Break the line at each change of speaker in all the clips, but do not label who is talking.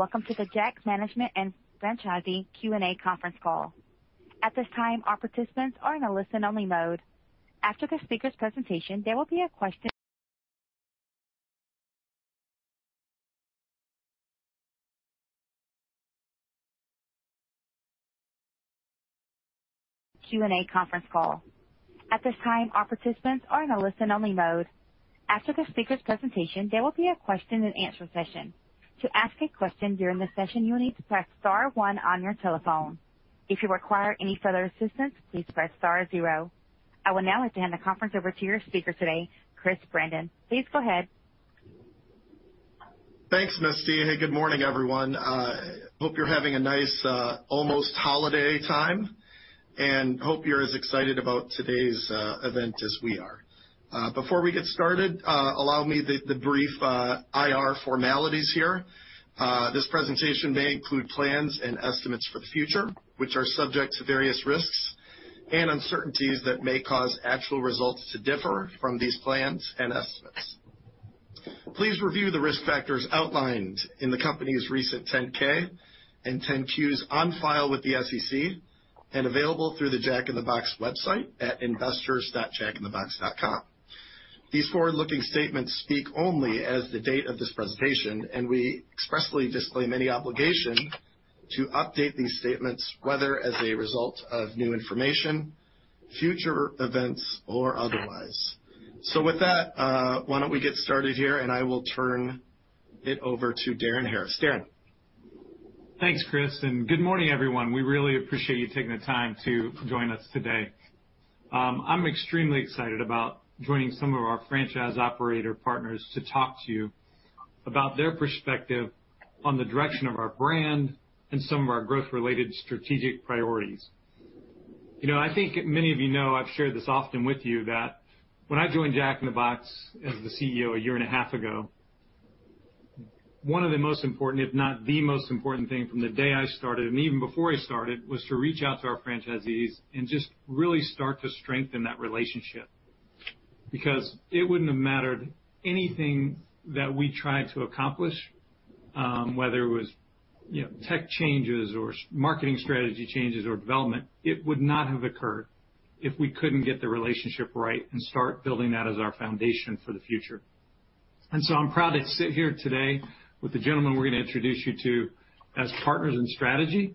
Welcome to the Jack's Management and Franchisee Q&A conference call. At this time, all participants are in a listen-only mode. After the speaker's presentation, there will be a question and answer session. To ask a question during the session, you will need to press star one on your telephone. If you require any further assistance, please press star zero. I will now hand the conference over to your speaker today, Chris Brandon. Please go ahead.
Thanks, Misty, and good morning, everyone. Hope you're having a nice, almost holiday time, and hope you're as excited about today's event as we are. Before we get started, allow me the brief IR formalities here. This presentation may include plans and estimates for the future, which are subject to various risks and uncertainties that may cause actual results to differ from these plans and estimates. Please review the risk factors outlined in the company's recent 10-K and 10-Qs on file with the SEC and available through the Jack in the Box website at investors.jackinthebox.com. These forward-looking statements speak only as of the date of this presentation, and we expressly disclaim any obligation to update these statements, whether as a result of new information, future events or otherwise. With that, why don't we get started here and I will turn it over to Darin Harris. Darin.
Thanks, Chris, and good morning, everyone. We really appreciate you taking the time to join us today. I'm extremely excited about joining some of our franchise operator partners to talk to you about their perspective on the direction of our brand and some of our growth related strategic priorities. You know, I think many of you know, I've shared this often with you, that when I joined Jack in the Box as the CEO a year and a half ago, one of the most important, if not the most important thing from the day I started and even before I started, was to reach out to our franchisees and just really start to strengthen that relationship. Because it wouldn't have mattered anything that we tried to accomplish, whether it was, you know, tech changes or marketing strategy changes or development, it would not have occurred if we couldn't get the relationship right and start building that as our foundation for the future. I'm proud to sit here today with the gentlemen we're going to introduce you to as partners in strategy.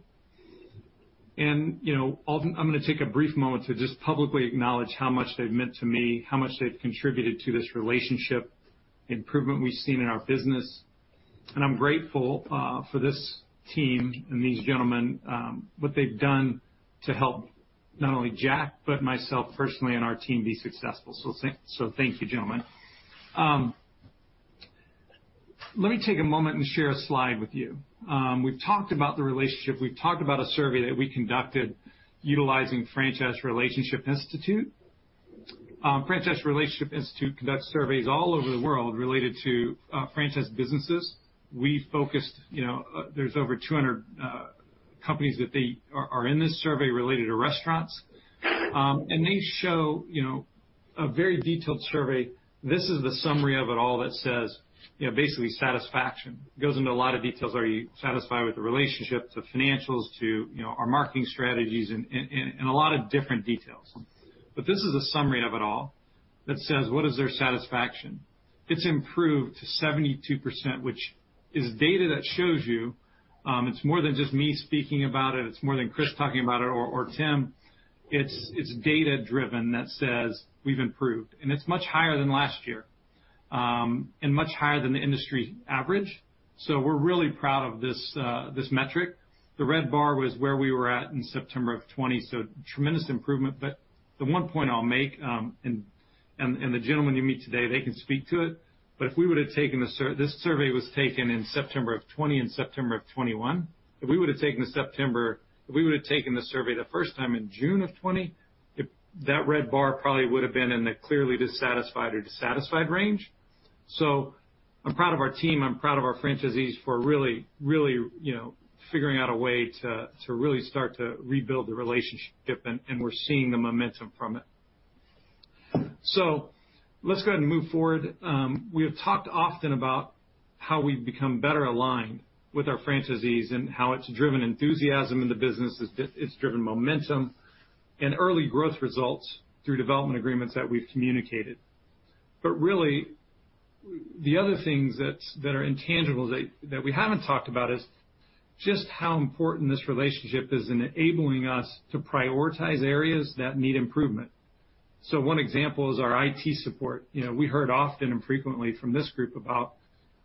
You know, I'm going to take a brief moment to just publicly acknowledge how much they've meant to me, how much they've contributed to this relationship improvement we've seen in our business. I'm grateful for this team and these gentlemen, what they've done to help not only Jack, but myself personally and our team be successful. Thank you, gentlemen. Let me take a moment and share a slide with you. We've talked about the relationship. We've talked about a survey that we conducted utilizing Franchise Relationships Institute. Franchise Relationships Institute conducts surveys all over the world related to franchise businesses. We focused, you know, there's over 200 companies that they are in this survey related to restaurants. They show, you know, a very detailed survey. This is the summary of it all that says, you know, basically satisfaction. It goes into a lot of details. Are you satisfied with the relationship to financials, to, you know, our marketing strategies and a lot of different details. This is a summary of it all that says, what is their satisfaction? It's improved to 72%, which is data that shows you it's more than just me speaking about it. It's more than Chris talking about it or Tim. It's data driven that says we've improved, and it's much higher than last year, and much higher than the industry's average. We're really proud of this metric. The red bar was where we were at in September of 2020, so tremendous improvement. The one point I'll make, and the gentlemen you meet today, they can speak to it. This survey was taken in September of 2020 and September of 2021. If we would have taken the survey the first time in June of 2020, that red bar probably would have been in the clearly dissatisfied or dissatisfied range. I'm proud of our team. I'm proud of our franchisees for really, you know, figuring out a way to really start to rebuild the relationship, and we're seeing the momentum from it. Let's go ahead and move forward. We have talked often about how we've become better aligned with our franchisees and how it's driven enthusiasm in the business, it's driven momentum and early growth results through development agreements that we've communicated. Really, the other things that are intangibles that we haven't talked about is just how important this relationship is in enabling us to prioritize areas that need improvement. One example is our IT support. You know, we heard often and frequently from this group about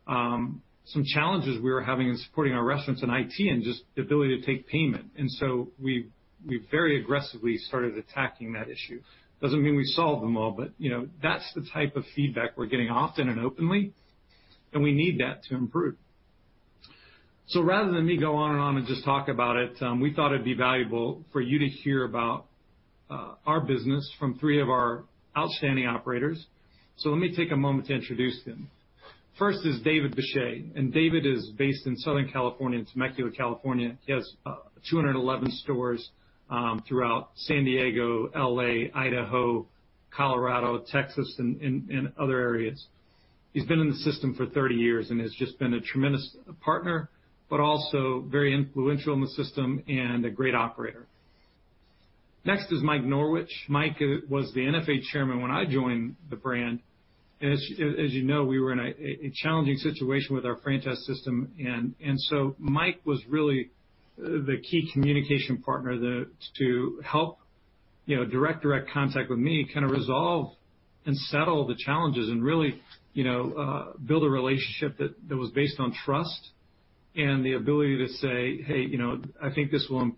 some challenges we were having in supporting our restaurants in IT and just the ability to take payment. We very aggressively started attacking that issue. Doesn't mean we solved them all, but you know, that's the type of feedback we're getting often and openly, and we need that to improve. Rather than me go on and on and just talk about it, we thought it'd be valuable for you to hear about our business from three of our outstanding operators. Let me take a moment to introduce them. First is David Beshay, and David is based in Southern California, in Temecula, California. He has 211 stores throughout San Diego, L.A., Idaho, Colorado, Texas, and other areas. He's been in the system for 30 years and has just been a tremendous partner, but also very influential in the system and a great operator. Next is Mike Norwich. Mike was the NFA chairman when I joined the brand. As you know, we were in a challenging situation with our franchise system and so Mike was really the key communication partner that to help, you know, direct contact with me, kinda resolve and settle the challenges and really, you know, build a relationship that was based on trust and the ability to say, "Hey, you know, I think this will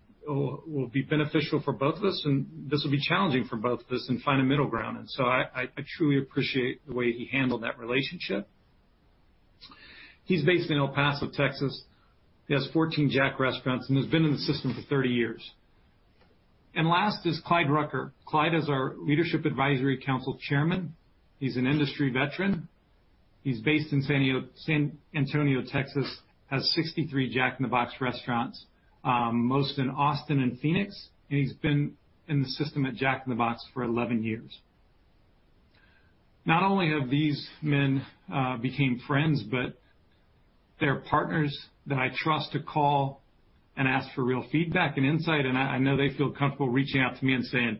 be beneficial for both of us, and this will be challenging for both of us," and find a middle ground. I truly appreciate the way he handled that relationship. He's based in El Paso, Texas. He has 14 Jack restaurants and has been in the system for 30 years. Last is Clyde Rucker. Clyde is our Leadership Advisory Council chairman. He's an industry veteran. He's based in San Antonio, Texas, has 63 Jack in the Box restaurants, most in Austin and Phoenix, and he's been in the system at Jack in the Box for 11 years. Not only have these men became friends, but they are partners that I trust to call and ask for real feedback and insight, and I know they feel comfortable reaching out to me and saying,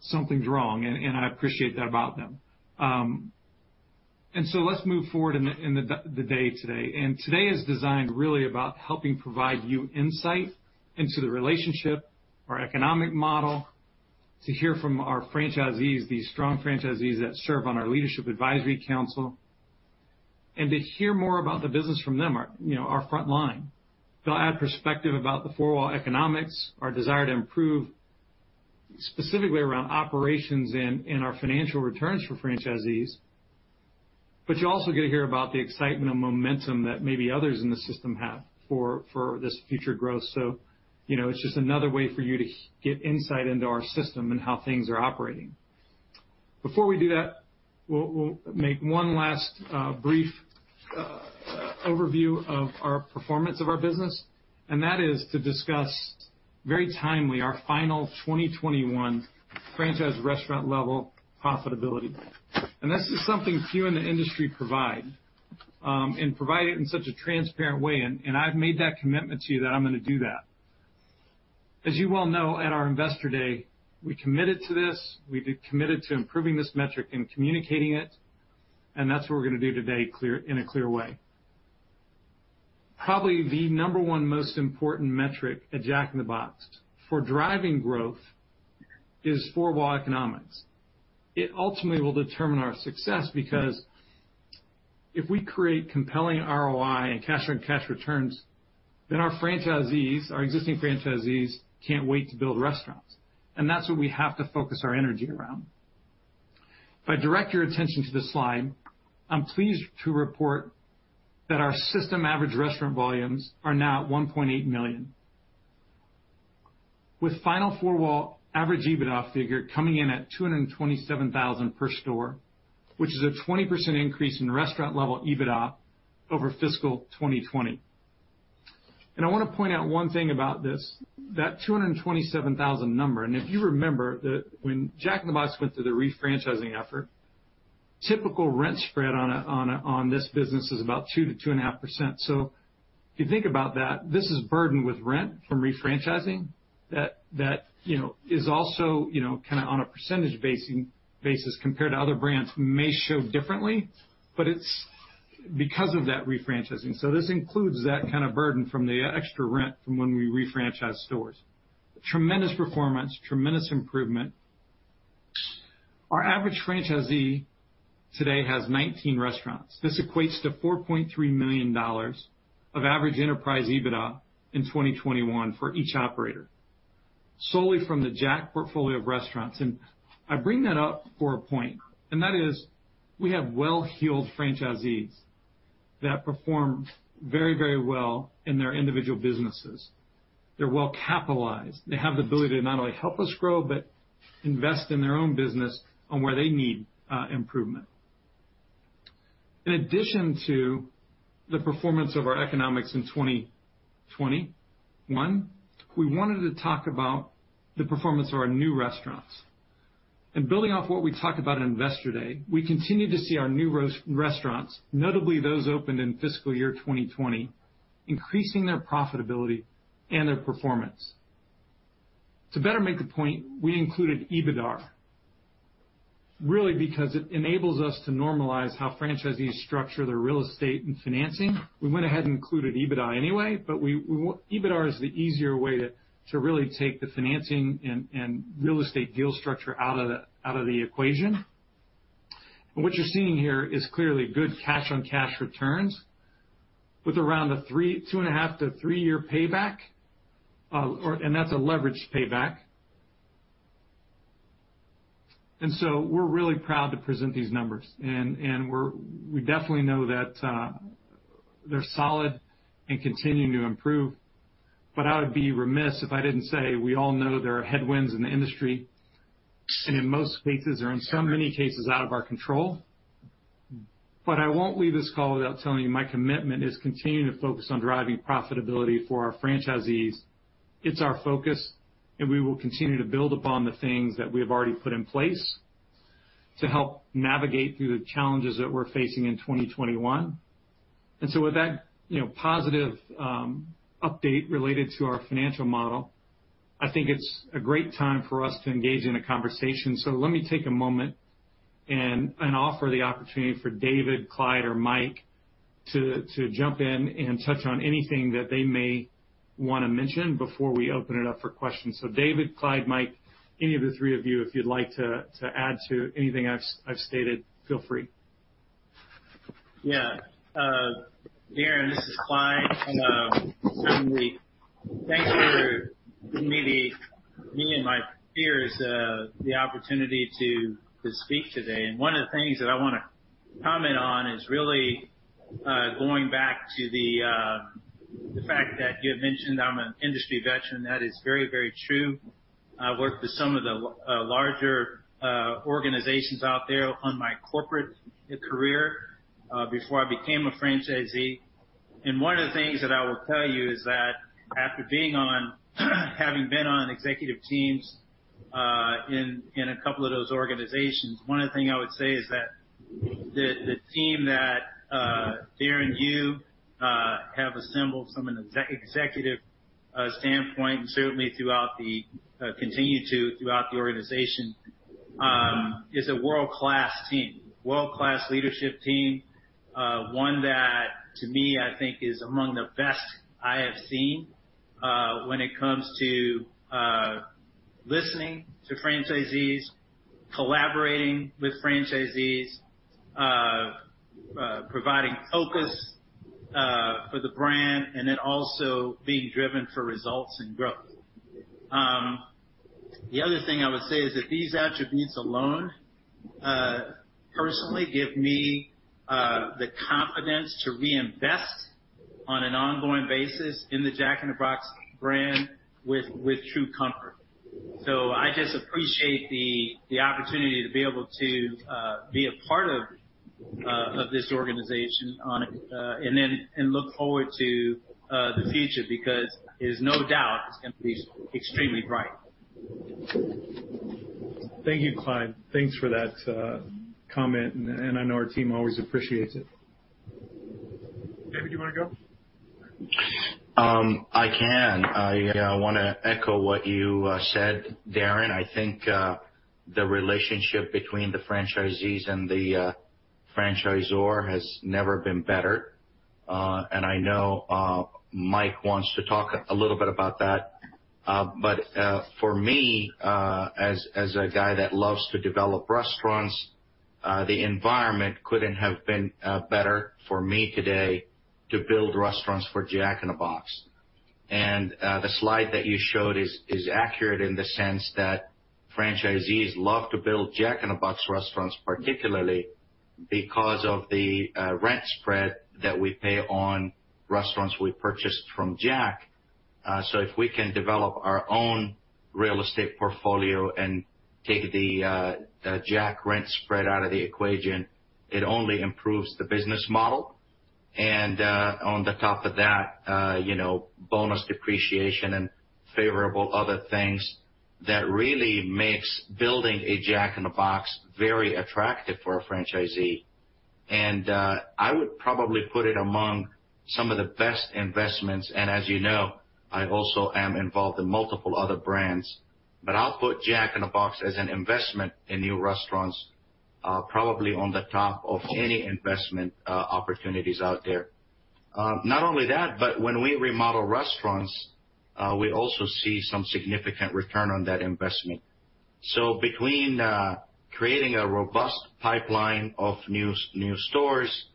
"Something's wrong," and I appreciate that about them. Let's move forward in the day today. Today is designed really about helping provide you insight into the relationship, our economic model, to hear from our franchisees, these strong franchisees that serve on our Leadership Advisory Council, and to hear more about the business from them, our, you know, our front line. They'll add perspective about the four-wall economics, our desire to improve specifically around operations and our financial returns for franchisees. But you also get to hear about the excitement and momentum that maybe others in the system have for this future growth. You know, it's just another way for you to get insight into our system and how things are operating. Before we do that, we'll make one last brief overview of our performance of our business, and that is to discuss very timely our final 2021 franchise restaurant level profitability. This is something few in the industry provide, and provide it in such a transparent way. I've made that commitment to you that I'm gonna do that. As you well know, at our Investor Day, we committed to this, improving this metric and communicating it, and that's what we're gonna do today in a clear way. Probably the number one most important metric at Jack in the Box for driving growth is four-wall economics. It ultimately will determine our success because if we create compelling ROI and cash on cash returns, then our existing franchisees can't wait to build restaurants. That's what we have to focus our energy around. If I direct your attention to this slide, I'm pleased to report that our system average restaurant volumes are now at $1.8 million, with final four-wall average EBITDA figure coming in at $227,000 per store, which is a 20% increase in restaurant-level EBITDA over fiscal 2020. I wanna point out one thing about this, that 227,000 number, and if you remember that when Jack in the Box went through the refranchising effort, typical rent spread on this business is about 2%-2.5%. If you think about that, this is burdened with rent from refranchising that, you know, is also, you know, kinda on a percentage basis compared to other brands may show differently, but it's because of that refranchising. This includes that kinda burden from the extra rent from when we refranchised stores. Tremendous performance, tremendous improvement. Our average franchisee today has 19 restaurants. This equates to $4.3 million of average enterprise EBITDA in 2021 for each operator, solely from the Jack portfolio of restaurants. I bring that up for a point, and that is we have well-heeled franchisees that perform very, very well in their individual businesses. They're well-capitalized. They have the ability to not only help us grow, but invest in their own business on where they need improvement. In addition to the performance of our economics in 2021, we wanted to talk about the performance of our new restaurants. Building off what we talked about at Investor Day, we continue to see our new restaurants, notably those opened in fiscal year 2020, increasing their profitability and their performance. To better make the point, we included EBITDA, really because it enables us to normalize how franchisees structure their real estate and financing. We went ahead and included EBITDA anyway, but EBITDA is the easier way to really take the financing and real estate deal structure out of the equation. What you're seeing here is clearly good cash-on-cash returns with around a 2.5-3-year payback, and that's a leveraged payback. We're really proud to present these numbers and we definitely know that they're solid and continuing to improve. I would be remiss if I didn't say we all know there are headwinds in the industry, and in most cases, or in so many cases, out of our control. I won't leave this call without telling you my commitment is continuing to focus on driving profitability for our franchisees. It's our focus, and we will continue to build upon the things that we have already put in place to help navigate through the challenges that we're facing in 2021. With that, you know, positive update related to our financial model, I think it's a great time for us to engage in a conversation. Let me take a moment and offer the opportunity for David, Clyde, or Mike to jump in and touch on anything that they may wanna mention before we open it up for questions. David, Clyde, Mike, any of the three of you, if you'd like to add to anything I've stated, feel free.
Darin, this is Clyde. Certainly thanks for giving me and my peers the opportunity to speak today. One of the things that I wanna comment on is really going back to the fact that you had mentioned I'm an industry veteran. That is very, very true. I worked with some of the larger organizations out there on my corporate career before I became a franchisee. One of the things that I will tell you is that after having been on executive teams in a couple of those organizations, one of the things I would say is that the team that, Darin, you have assembled from an executive standpoint, and certainly throughout the organization, is a world-class team. World-class leadership team. One that to me, I think is among the best I have seen, when it comes to listening to franchisees, collaborating with franchisees, providing focus for the brand, and then also being driven for results and growth. The other thing I would say is that these attributes alone personally give me the confidence to reinvest on an ongoing basis in the Jack in the Box brand with true comfort. I just appreciate the opportunity to be able to be a part of this organization and look forward to the future because there's no doubt it's gonna be extremely bright.
Thank you, Clyde. Thanks for that comment, and I know our team always appreciates it.
David, you wanna go?
I wanna echo what you said, Darin. I think the relationship between the franchisees and the franchisor has never been better. I know Mike wants to talk a little bit about that. For me, as a guy that loves to develop restaurants, the environment couldn't have been better for me today to build restaurants for Jack in the Box. The slide that you showed is accurate in the sense that franchisees love to build Jack in the Box restaurants, particularly because of the rent spread that we pay on restaurants we purchased from Jack. If we can develop our own real estate portfolio and take the Jack rent spread out of the equation, it only improves the business model. On top of that, you know, bonus depreciation and favorable other things, that really makes building a Jack in the Box very attractive for a franchisee. I would probably put it among some of the best investments, and as you know, I also am involved in multiple other brands, but I'll put Jack in the Box as an investment in new restaurants, probably on top of any investment opportunities out there. Not only that, but when we remodel restaurants, we also see some significant return on that investment. Between creating a robust pipeline of new stores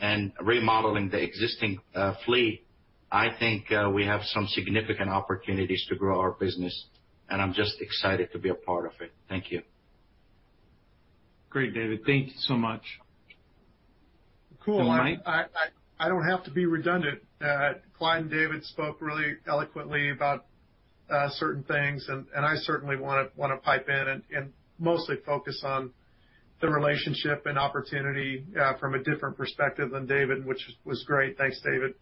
and remodeling the existing fleet, I think we have some significant opportunities to grow our business, and I'm just excited to be a part of it. Thank you.
Great, David. Thank you so much.
Cool.
Mike.
I don't have to be redundant. Clyde and David spoke really eloquently about certain things, and I certainly wanna pipe in and mostly focus on the relationship and opportunity from a different perspective than David, which was great. Thanks, David.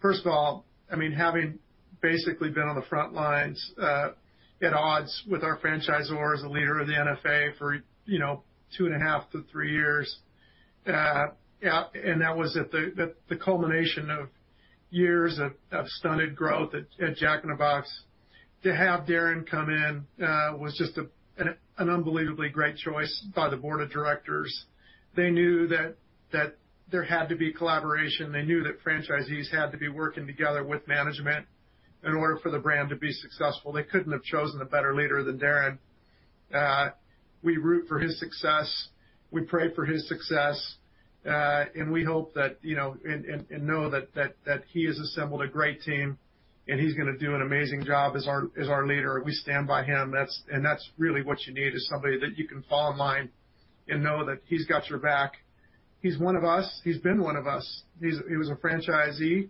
First of all, I mean, having basically been on the front lines at odds with our franchisor as a leader of the NFA for, you know, 2.5-3 years, and that was at the culmination of years of stunted growth at Jack in the Box. To have Darin come in was just an unbelievably great choice by the board of directors. They knew that there had to be collaboration. They knew that franchisees had to be working together with management in order for the brand to be successful. They couldn't have chosen a better leader than Darin. We root for his success. We pray for his success. We hope that, you know, and know that he has assembled a great team, and he's gonna do an amazing job as our leader. We stand by him. That's really what you need, is somebody that you can fall in line and know that he's got your back. He's one of us. He's been one of us. He was a franchisee.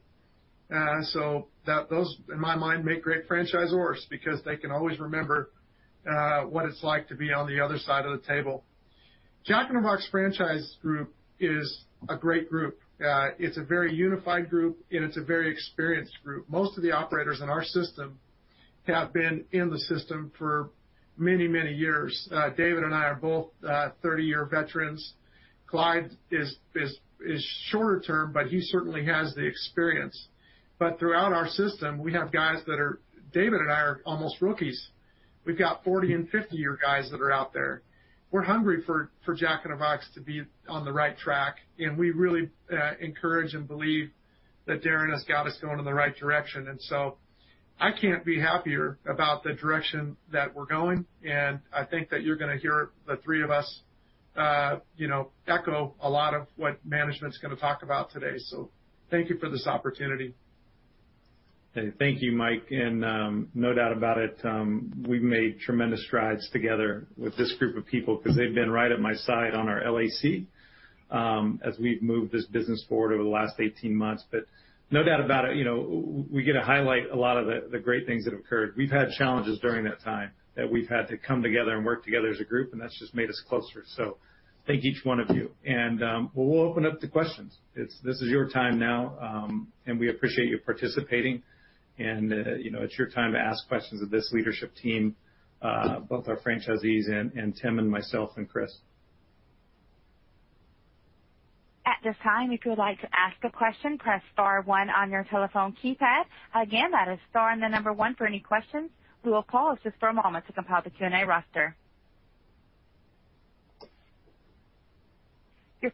So, those in my mind make great franchisors because they can always remember what it's like to be on the other side of the table. Jack in the Box franchise group is a great group. It's a very unified group, and it's a very experienced group. Most of the operators in our system have been in the system for many, many years. David and I are both 30-year veterans. Clyde is shorter term, but he certainly has the experience. Throughout our system, we have guys. David and I are almost rookies. We've got 40 and 50-year guys that are out there. We're hungry for Jack in the Box to be on the right track, and we really encourage and believe that Darin has got us going in the right direction. I can't be happier about the direction that we're going, and I think that you're gonna hear the three of us, you know, echo a lot of what management's gonna talk about today. Thank you for this opportunity.
Thank you, Mike. No doubt about it, we've made tremendous strides together with this group of people because they've been right at my side on our LAC, as we've moved this business forward over the last 18 months. No doubt about it, you know, we get to highlight a lot of the great things that have occurred. We've had challenges during that time that we've had to come together and work together as a group, and that's just made us closer. Thank each one of you. We'll open up to questions. This is your time now, and we appreciate you participating. You know, it's your time to ask questions of this leadership team, both our franchisees and Tim and myself and Chris.
Your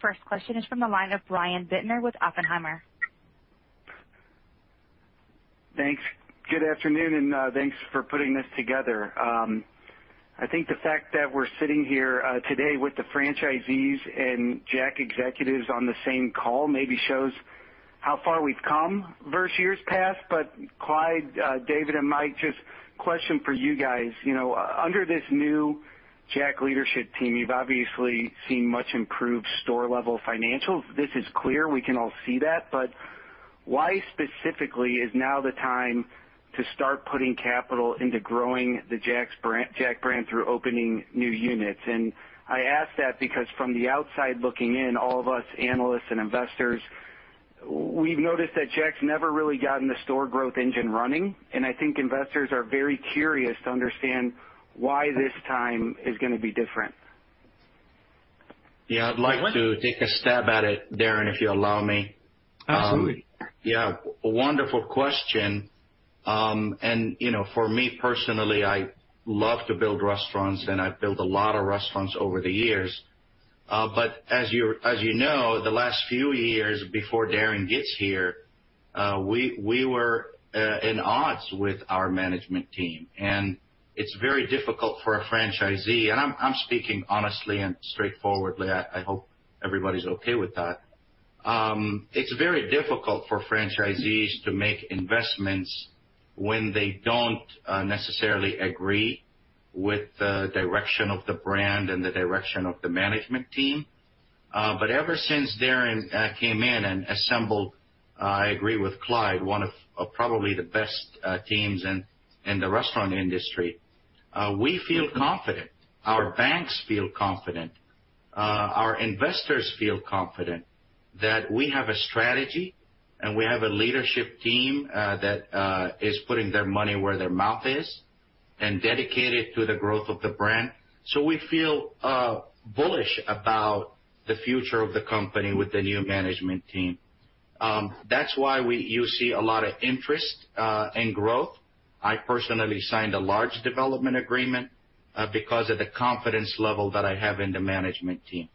first question is from the line of Brian Bittner with Oppenheimer.
Thanks. Good afternoon, and thanks for putting this together. I think the fact that we're sitting here today with the franchisees and Jack executives on the same call maybe shows how far we've come versus years past. Clyde, David, and Mike, just question for you guys. You know, under this new Jack leadership team, you've obviously seen much improved store level financials. This is clear. We can all see that. Why specifically is now the time to start putting capital into growing the Jack brand through opening new units? I ask that because from the outside looking in, all of us analysts and investors, we've noticed that Jack's never really gotten the store growth engine running, and I think investors are very curious to understand why this time is gonna be different.
Yeah, I'd like to take a stab at it, Darin, if you allow me.
Absolutely.
Yeah, wonderful question. You know, for me personally, I love to build restaurants, and I've built a lot of restaurants over the years. As you know, the last few years before Darin gets here, we were at odds with our management team, and it's very difficult for a franchisee. I'm speaking honestly and straightforwardly. I hope everybody's okay with that. It's very difficult for franchisees to make investments when they don't necessarily agree with the direction of the brand and the direction of the management team. Ever since Darin came in and assembled, I agree with Clyde, one of probably the best teams in the restaurant industry, we feel confident, our banks feel confident, our investors feel confident that we have a strategy, and we have a leadership team that is putting their money where their mouth is and dedicated to the growth of the brand. We feel bullish about the future of the company with the new management team. That's why you see a lot of interest and growth. I personally signed a large development agreement because of the confidence level that I have in the management team.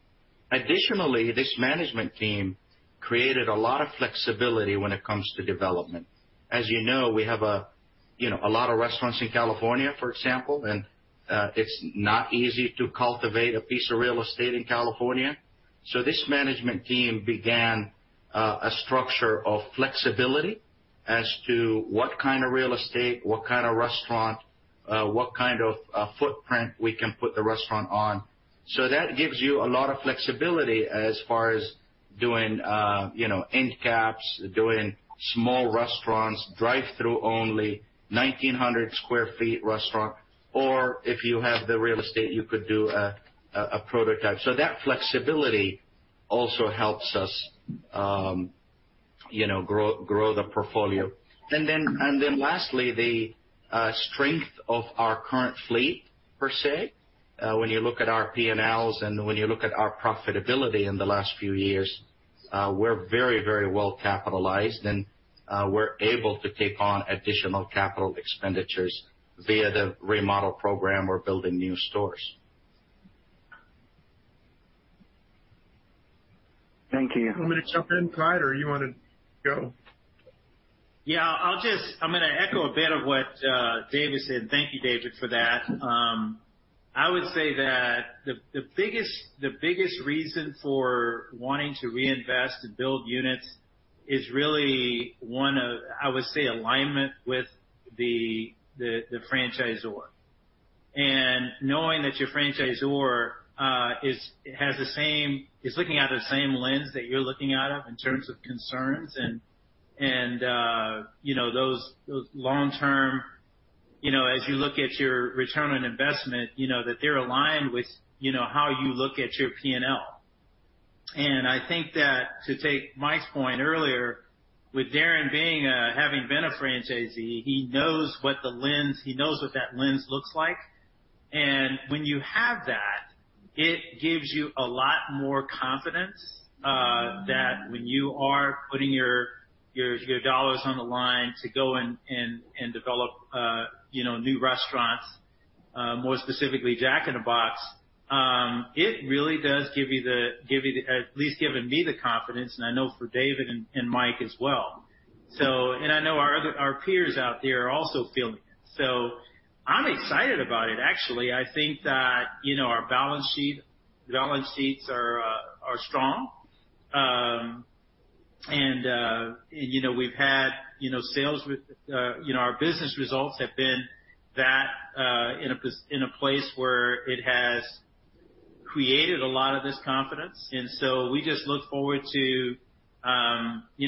Additionally, this management team created a lot of flexibility when it comes to development. As you know, we have a you know a lot of restaurants in California, for example, and it's not easy to cultivate a piece of real estate in California. This management team began a structure of flexibility as to what kind of real estate, what kind of restaurant, what kind of footprint we can put the restaurant on. That gives you a lot of flexibility as far as doing you know end caps, doing small restaurants, drive-through only, 1,900 sq ft restaurant, or if you have the real estate, you could do a prototype. That flexibility also helps us you know grow the portfolio. Lastly, the strength of our current fleet, per se. When you look at our P&Ls and when you look at our profitability in the last few years, we're very, very well capitalized, and we're able to take on additional capital expenditures via the remodel program or building new stores.
Thank you.
You want me to jump in, Clyde, or you wanna go?
Yeah, I'm gonna echo a bit of what David said. Thank you, David, for that. I would say that the biggest reason for wanting to reinvest and build units is really one of, I would say, alignment with the franchisor. Knowing that your franchisor is looking out of the same lens that you're looking out of in terms of concerns and, you know, those long-term, you know, as you look at your return on investment, you know that they're aligned with, you know, how you look at your P&L. I think that to take Mike's point earlier, with Darin having been a franchisee, he knows what that lens looks like. When you have that, it gives you a lot more confidence that when you are putting your dollars on the line to go and develop you know new restaurants, more specifically Jack in the Box, it really does give you the at least given me the confidence, and I know for David and Mike as well. I know our peers out there are also feeling it. I'm excited about it, actually. I think that you know our balance sheet, balance sheets are strong. And you know we've had sales with you know our business results have been that in a place where it has created a lot of this confidence. We just look forward to, you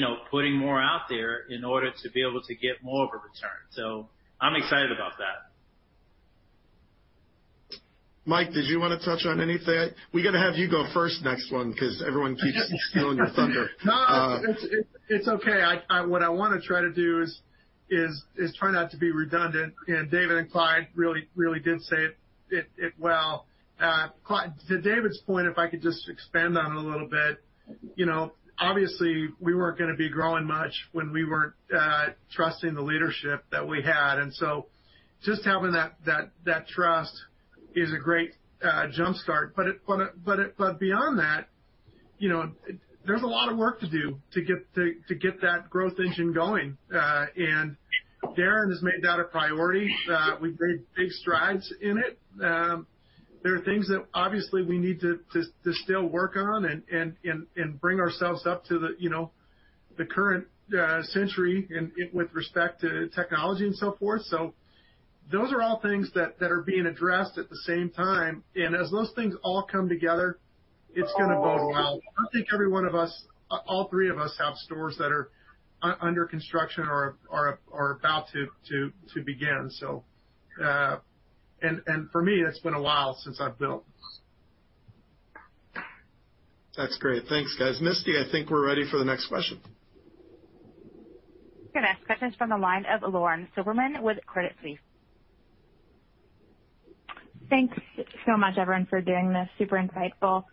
know, putting more out there in order to be able to get more of a return. I'm excited about that.
Mike, did you wanna touch on any of that? We gotta have you go first next one because everyone keeps stealing your thunder.
No, it's okay. What I wanna try to do is try not to be redundant. David and Clyde really did say it well. To David's point, if I could just expand on it a little bit. You know, obviously, we weren't gonna be growing much when we weren't trusting the leadership that we had. Just having that trust is a great jump-start. Beyond that, you know, there's a lot of work to do to get that growth engine going. Darin has made that a priority. We've made big strides in it. There are things that obviously we need to still work on and bring ourselves up to the, you know, the current century in with respect to technology and so forth. Those are all things that are being addressed at the same time. As those things all come together, it's gonna go well. I think every one of us, all three of us have stores that are under construction or are about to begin. For me, it's been a while since I've built.
That's great. Thanks, guys. Misty, I think we're ready for the next question.
Your next question is from the line of Lauren Silberman with Credit Suisse.
Thanks so much, everyone, for doing this. Super insightful.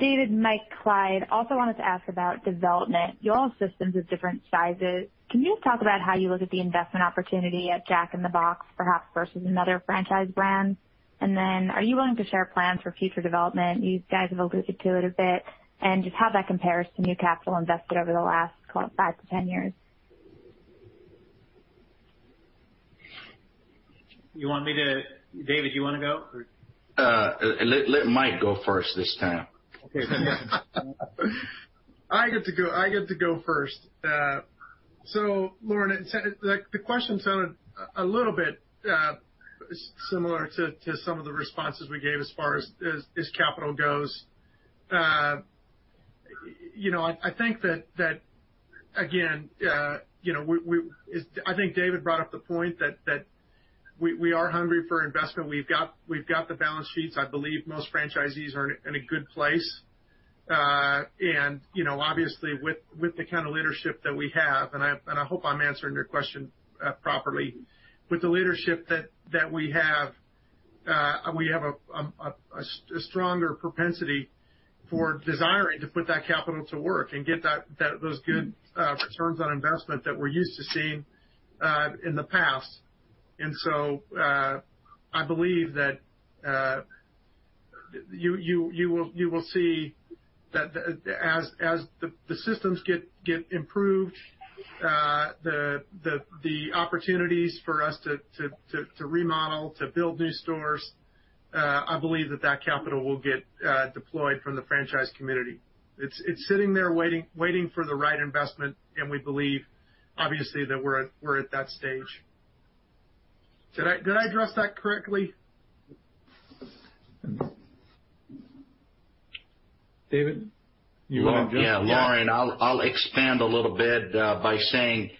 David, Mike, Clyde, also wanted to ask about development. You all have systems of different sizes. Can you just talk about how you look at the investment opportunity at Jack in the Box, perhaps versus another franchise brand? Are you willing to share plans for future development? You guys have alluded to it a bit. Just how that compares to new capital invested over the last, call it, 5-10 years.
David, do you wanna go or?
Let Mike go first this time.
I get to go first. Lauren, the question sounded a little bit similar to some of the responses we gave as far as capital goes. You know, I think that again, you know, I think David brought up the point that we are hungry for investment. We've got the balance sheets. I believe most franchisees are in a good place. You know, obviously with the kind of leadership that we have, and I hope I'm answering your question properly. With the leadership that we have, we have a stronger propensity for desiring to put that capital to work and get those good returns on investment that we're used to seeing in the past. I believe that you will see that as the systems get improved, the opportunities for us to remodel, to build new stores, I believe that that capital will get deployed from the franchise community. It's sitting there waiting for the right investment, and we believe, obviously, that we're at that stage. Did I address that correctly?
David, you wanna jump in?
Yeah. Lauren, I'll expand a little bit by saying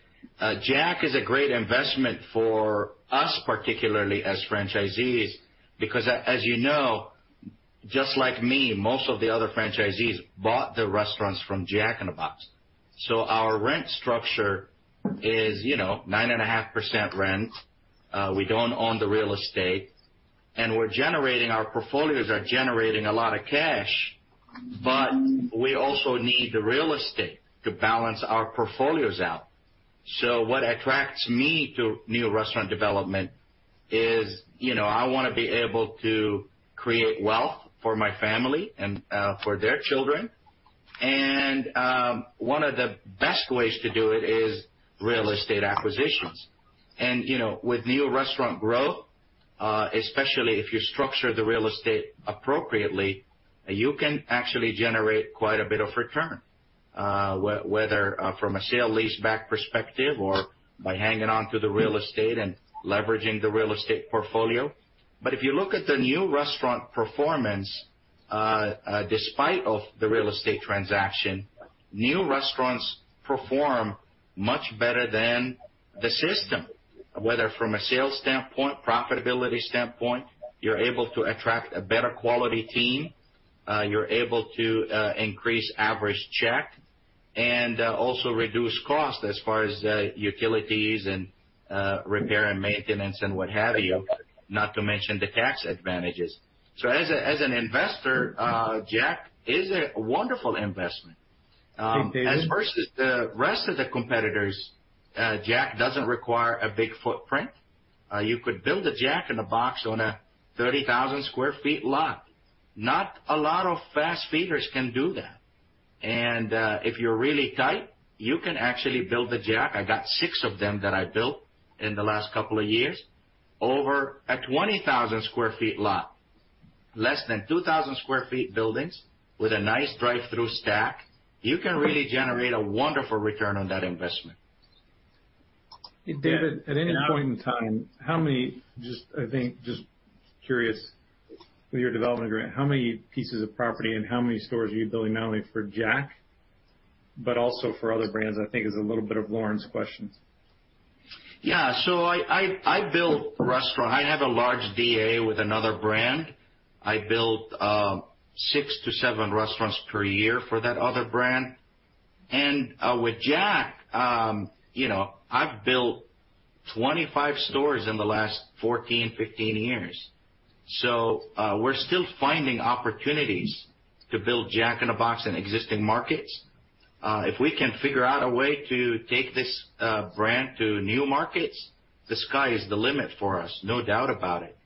Jack is a great investment for us, particularly as franchisees, because as you know, just like me, most of the other franchisees bought their restaurants from Jack in the Box. Our rent structure is, you know, 9.5% rent. We don't own the real estate, and our portfolios are generating a lot of cash, but we also need the real estate to balance our portfolios out. What attracts me to new restaurant development is, you know, I wanna be able to create wealth for my family and for their children. One of the best ways to do it is real estate acquisitions. You know, with new restaurant growth, especially if you structure the real estate appropriately, you can actually generate quite a bit of return, whether from a sale-leaseback perspective or by hanging on to the real estate and leveraging the real estate portfolio. If you look at the new restaurant performance, despite of the real estate transaction, new restaurants perform much better than the system, whether from a sales standpoint, profitability standpoint, you're able to attract a better quality team, you're able to increase average check and also reduce costs as far as utilities and repair and maintenance and what have you, not to mention the tax advantages. As an investor, Jack is a wonderful investment.
Hey, David.
As versus the rest of the competitors, Jack doesn't require a big footprint. You could build a Jack in the Box on a 30,000 sq ft lot. Not a lot of fast feeders can do that. If you're really tight, you can actually build a Jack. I got six of them that I built in the last couple of years over a 20,000 sq ft lot, less than 2,000 sq ft buildings with a nice drive-through stack. You can really generate a wonderful return on that investment.
David, at any point in time, just, I think, just curious with your development grant, how many pieces of property and how many stores are you building not only for Jack, but also for other brands. I think is a little bit of Lauren's questions.
Yeah. I build restaurant. I have a large DA with another brand. I build 6-7 restaurants per year for that other brand. With Jack, you know, I've built 25 stores in the last 14, 15 years. We're still finding opportunities to build Jack in the Box in existing markets. If we can figure out a way to take this brand to new markets, the sky is the limit for us, no doubt about it.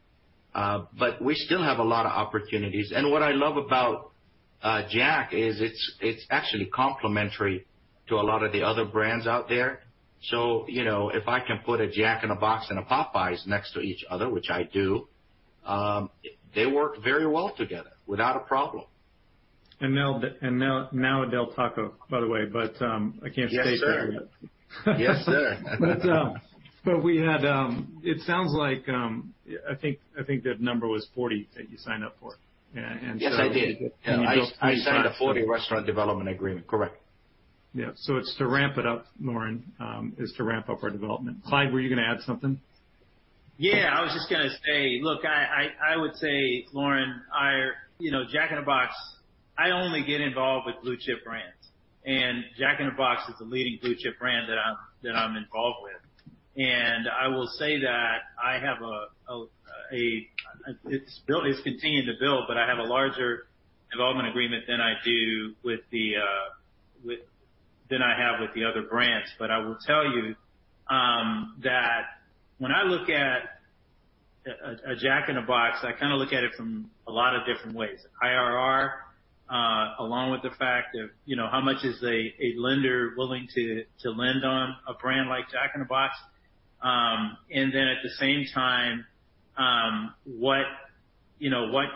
We still have a lot of opportunities. What I love about Jack is it's actually complementary to a lot of the other brands out there. You know, if I can put a Jack in the Box and a Popeyes next to each other, which I do, they work very well together without a problem.
Now a Del Taco, by the way, but I can't say.
Yes, sir. Yes, sir.
It sounds like I think that number was 40 that you signed up for, and so-
Yes, I did.
Can you build 3x?
I signed a 40-restaurant development agreement, correct?
Yeah. It's to ramp it up, Lauren, is to ramp up our development. Clyde, were you gonna add something?
I would say, Lauren, you know, Jack in the Box, I only get involved with blue chip brands, and Jack in the Box is a leading blue chip brand that I'm involved with. I will say that it's continuing to build, but I have a larger development agreement than I have with the other brands. I will tell you that when I look at a Jack in the Box, I kinda look at it from a lot of different ways. IRR along with the fact, you know, how much is a lender willing to lend on a brand like Jack in the Box. At the same time, you know,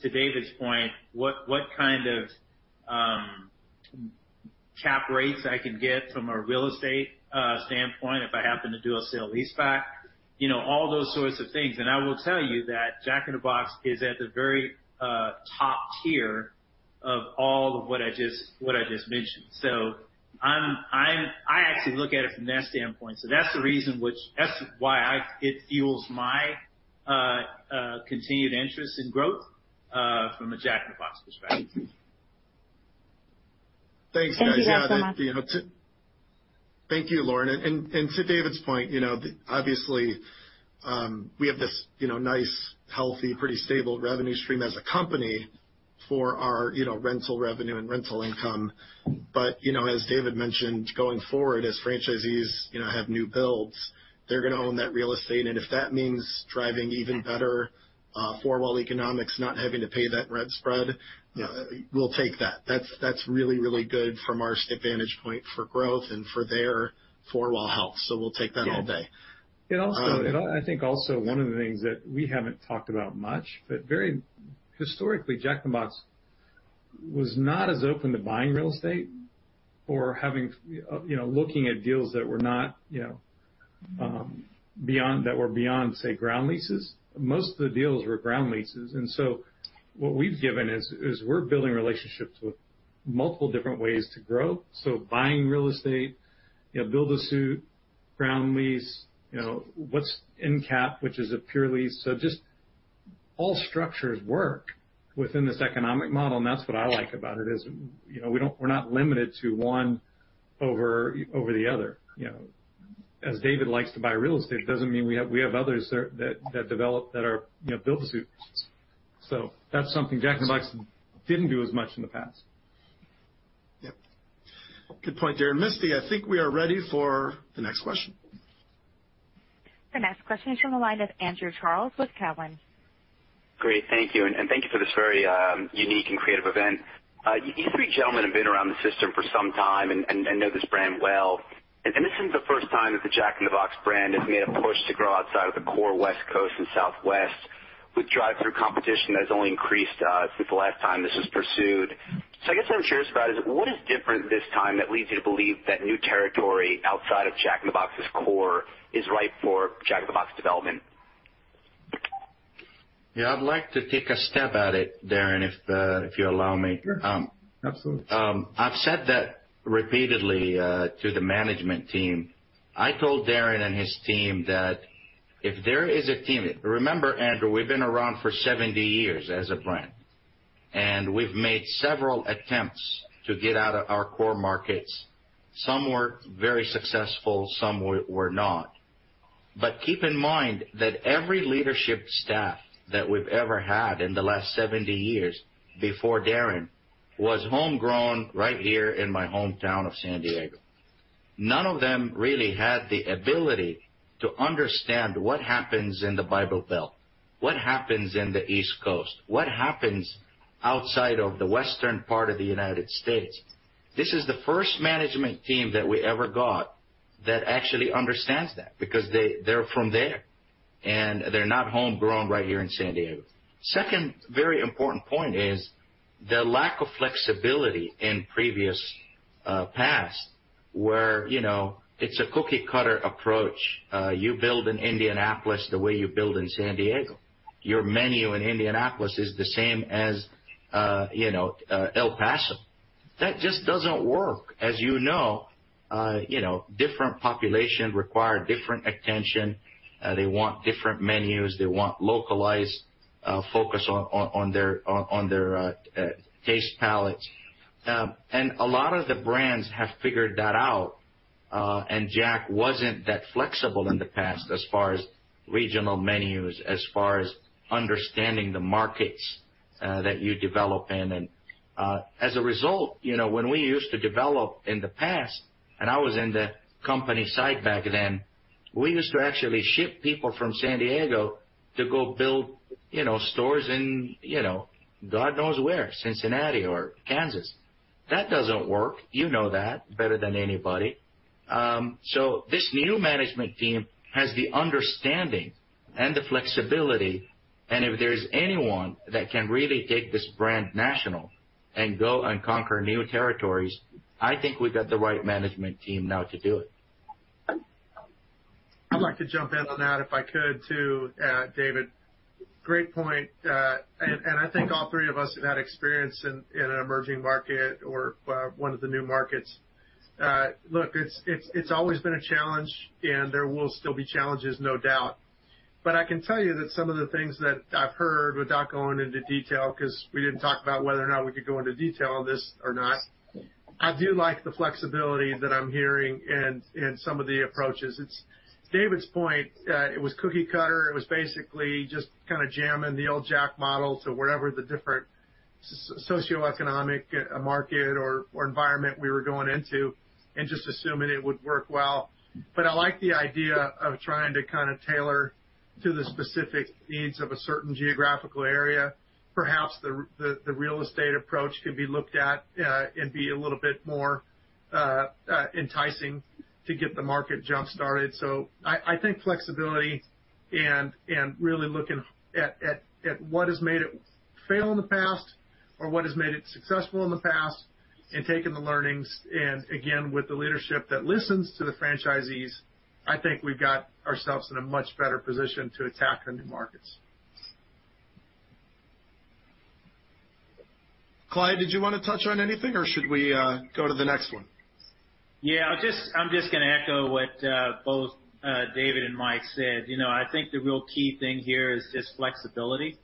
to David's point, what kind of cap rates I can get from a real estate standpoint if I happen to do a sale-leaseback, you know, all those sorts of things. I will tell you that Jack in the Box is at the very top tier of all of what I just mentioned. I actually look at it from that standpoint. That's the reason it fuels my continued interest in growth from a Jack in the Box perspective.
Thank you.
Thanks, guys.
Thank you guys so much.
Thank you, Lauren. To David's point, you know, obviously, we have this, you know, nice, healthy, pretty stable revenue stream as a company for our, you know, rental revenue and rental income. But, you know, as David mentioned, going forward, as franchisees, you know, have new builds, they're gonna own that real estate, and if that means driving even better four wall economics, not having to pay that rent spread, we'll take that. That's really good from our vantage point for growth and for their four wall health. We'll take that all day.
Yeah.
Um-
I think also one of the things that we haven't talked about much. Historically, Jack in the Box was not as open to buying real estate or having, you know, looking at deals that were not, you know, that were beyond, say, ground leases. Most of the deals were ground leases. What we've given is we're building relationships with multiple different ways to grow. Buying real estate, you know, build-to-suit, ground lease, you know, NNN cap, which is a pure lease. Just all structures work within this economic model, and that's what I like about it is, you know, we're not limited to one over the other, you know. As David likes to buy real estate, it doesn't mean we have others there that develop, that are, you know, build-to-suit. That's something Jack in the Box didn't do as much in the past.
Yep. Good point, Darin. Misty, I think we are ready for the next question.
The next question is from the line of Andrew Charles with Cowen.
Great. Thank you. Thank you for this very, unique and creative event. You three gentlemen have been around the system for some time and know this brand well. This isn't the first time that the Jack in the Box brand has made a push to grow outside of the core West Coast and Southwest. With drive-through competition has only increased, since the last time this was pursued. I guess what I'm curious about is what is different this time that leads you to believe that new territory outside of Jack in the Box's core is right for Jack in the Box development?
Yeah, I'd like to take a stab at it, Darin, if you allow me.
Sure. Absolutely.
I've said that repeatedly to the management team. I told Darin and his team. Remember, Andrew, we've been around for 70 years as a brand, and we've made several attempts to get out of our core markets. Some were very successful, some were not. Keep in mind that every leadership staff that we've ever had in the last 70 years before Darin was homegrown right here in my hometown of San Diego. None of them really had the ability to understand what happens in the Bible Belt, what happens in the East Coast, what happens outside of the Western part of the United States. This is the first management team that we ever got that actually understands that because they're from there, and they're not homegrown right here in San Diego. Second very important point is the lack of flexibility in previous past where you know it's a cookie-cutter approach. You build in Indianapolis the way you build in San Diego. Your menu in Indianapolis is the same as you know El Paso. That just doesn't work. As you know different population require different attention. They want different menus. They want localized focus on their taste palates. A lot of the brands have figured that out and Jack wasn't that flexible in the past as far as regional menus as far as understanding the markets that you develop in. As a result, you know, when we used to develop in the past, and I was in the company side back then, we used to actually ship people from San Diego to go build, you know, stores in, you know, God knows where, Cincinnati or Kansas. That doesn't work. You know that better than anybody. This new management team has the understanding and the flexibility, and if there's anyone that can really take this brand national and go and conquer new territories, I think we've got the right management team now to do it.
I'd like to jump in on that if I could too, David. Great point. I think all three of us have had experience in an emerging market or one of the new markets. Look, it's always been a challenge, and there will still be challenges, no doubt. I can tell you that some of the things that I've heard, without going into detail, 'cause we didn't talk about whether or not we could go into detail on this or not, I do like the flexibility that I'm hearing in some of the approaches. It's David's point, it was cookie cutter. It was basically just kinda jamming the old Jack model to wherever the different socioeconomic market or environment we were going into and just assuming it would work well. I like the idea of trying to kinda tailor to the specific needs of a certain geographical area. Perhaps the real estate approach could be looked at, and be a little bit more enticing to get the market jump-started. I think flexibility and really looking at what has made it fail in the past or what has made it successful in the past and taking the learnings and again, with the leadership that listens to the franchisees, I think we've got ourselves in a much better position to attack the new markets. Clyde, did you wanna touch on anything, or should we go to the next one?
Yeah, I'm just gonna echo what both David and Mike said. You know, I think the real key thing here is just flexibility.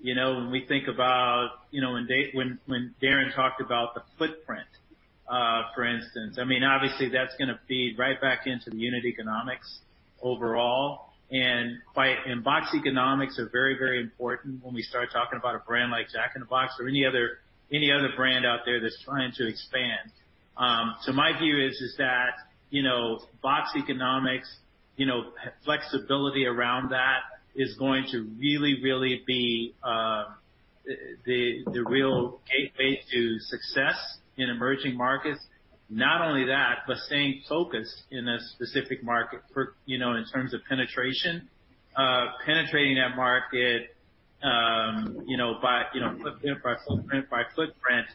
You know, when we think about when Darin talked about the footprint for instance, I mean, obviously that's gonna feed right back into the unit economics overall. Box economics are very, very important when we start talking about a brand like Jack in the Box or any other brand out there that's trying to expand. My view is that box economics, you know, flexibility around that is going to really, really be the real gateway to success in emerging markets. Not only that, but staying focused in a specific market for, you know, in terms of penetration, penetrating that market, you know, by footprint,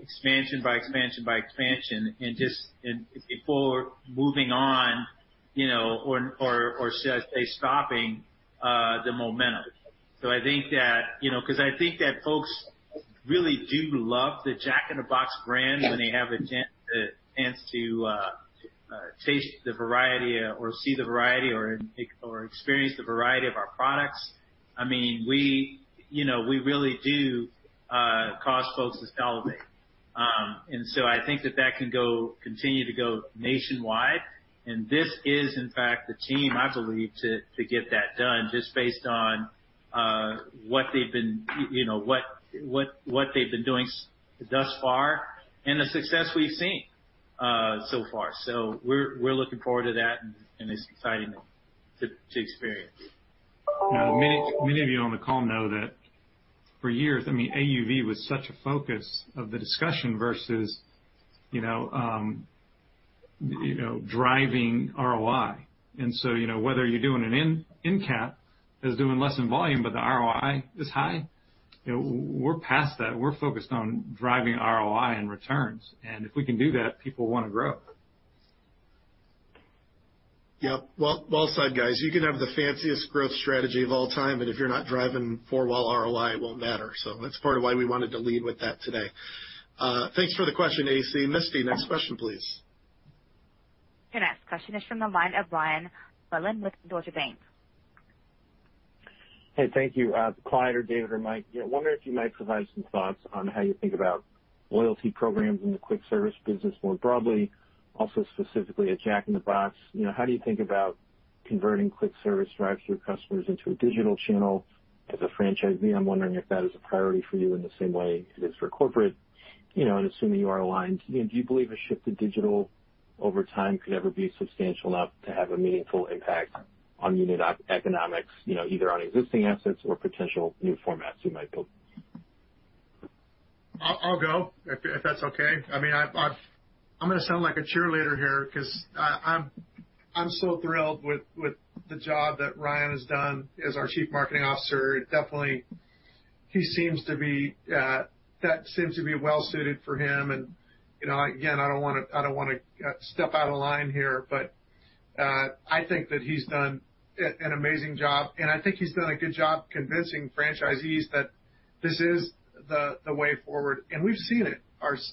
expansion, and before moving on, you know, or should I say, stopping the momentum. I think that, you know, 'cause I think that folks really do love the Jack in the Box brand when they have a chance to taste the variety or see the variety or experience the variety of our products. I mean, we, you know, we really do cause folks to salivate. I think that that can continue to go nationwide. This is in fact the team, I believe, to get that done just based on what they've been, you know, what they've been doing thus far and the success we've seen so far. We're looking forward to that, and it's exciting to experience.
Now, many, many of you on the call know that for years, I mean, AUV was such a focus of the discussion versus, you know, You know, driving ROI. You know, whether you're doing an end cap or doing less in volume, but the ROI is high. You know, we're past that. We're focused on driving ROI and returns. If we can do that, people wanna grow.
Yep. Well, well said, guys. You can have the fanciest growth strategy of all time, but if you're not driving for high ROI, it won't matter. That's part of why we wanted to lead with that today. Thanks for the question, AC. Misty, next question, please.
The next question is from the line of Brian Mullan with Deutsche Bank.
Hey, thank you. Clyde or David or Mike, yeah, wondering if you might provide some thoughts on how you think about loyalty programs in the quick service business more broadly. Also specifically at Jack in the Box, you know, how do you think about converting quick service drive-through customers into a digital channel? As a franchisee, I'm wondering if that is a priority for you in the same way it is for corporate, you know, and assuming you are aligned. You know, do you believe a shift to digital over time could ever be substantial enough to have a meaningful impact on unit economics, you know, either on existing assets or potential new formats you might build?
I'll go if that's okay. I mean, I'm gonna sound like a cheerleader here 'cause I'm so thrilled with the job that Ryan has done as our Chief Marketing Officer. Definitely, he seems to be well suited for him. You know, again, I don't wanna step out of line here, but I think that he's done an amazing job, and I think he's done a good job convincing franchisees that this is the way forward. We've seen it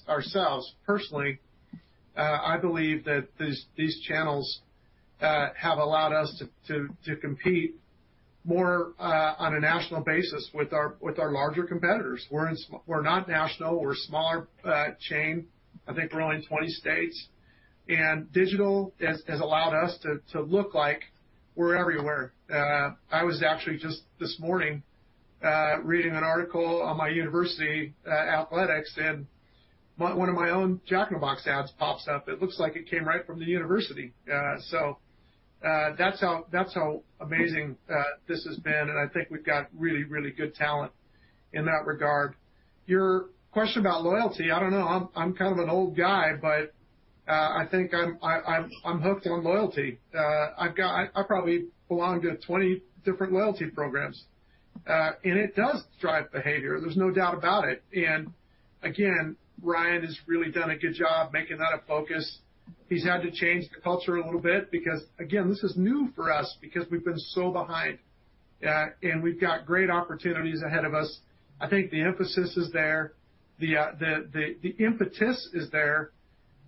ourselves personally. I believe that these channels have allowed us to compete more on a national basis with our larger competitors. We're not national, we're a smaller chain. I think we're only in 20 states. Digital has allowed us to look like we're everywhere. I was actually just this morning reading an article on my university athletics, and one of my own Jack in the Box ads pops up. It looks like it came right from the university. That's how amazing this has been, and I think we've got really good talent in that regard. Your question about loyalty, I don't know. I'm kind of an old guy, but I think I'm hooked on loyalty. I probably belong to 20 different loyalty programs. It does drive behavior. There's no doubt about it. Again, Ryan has really done a good job making that a focus. He's had to change the culture a little bit because, again, this is new for us because we've been so behind. We've got great opportunities ahead of us. I think the emphasis is there, the impetus is there,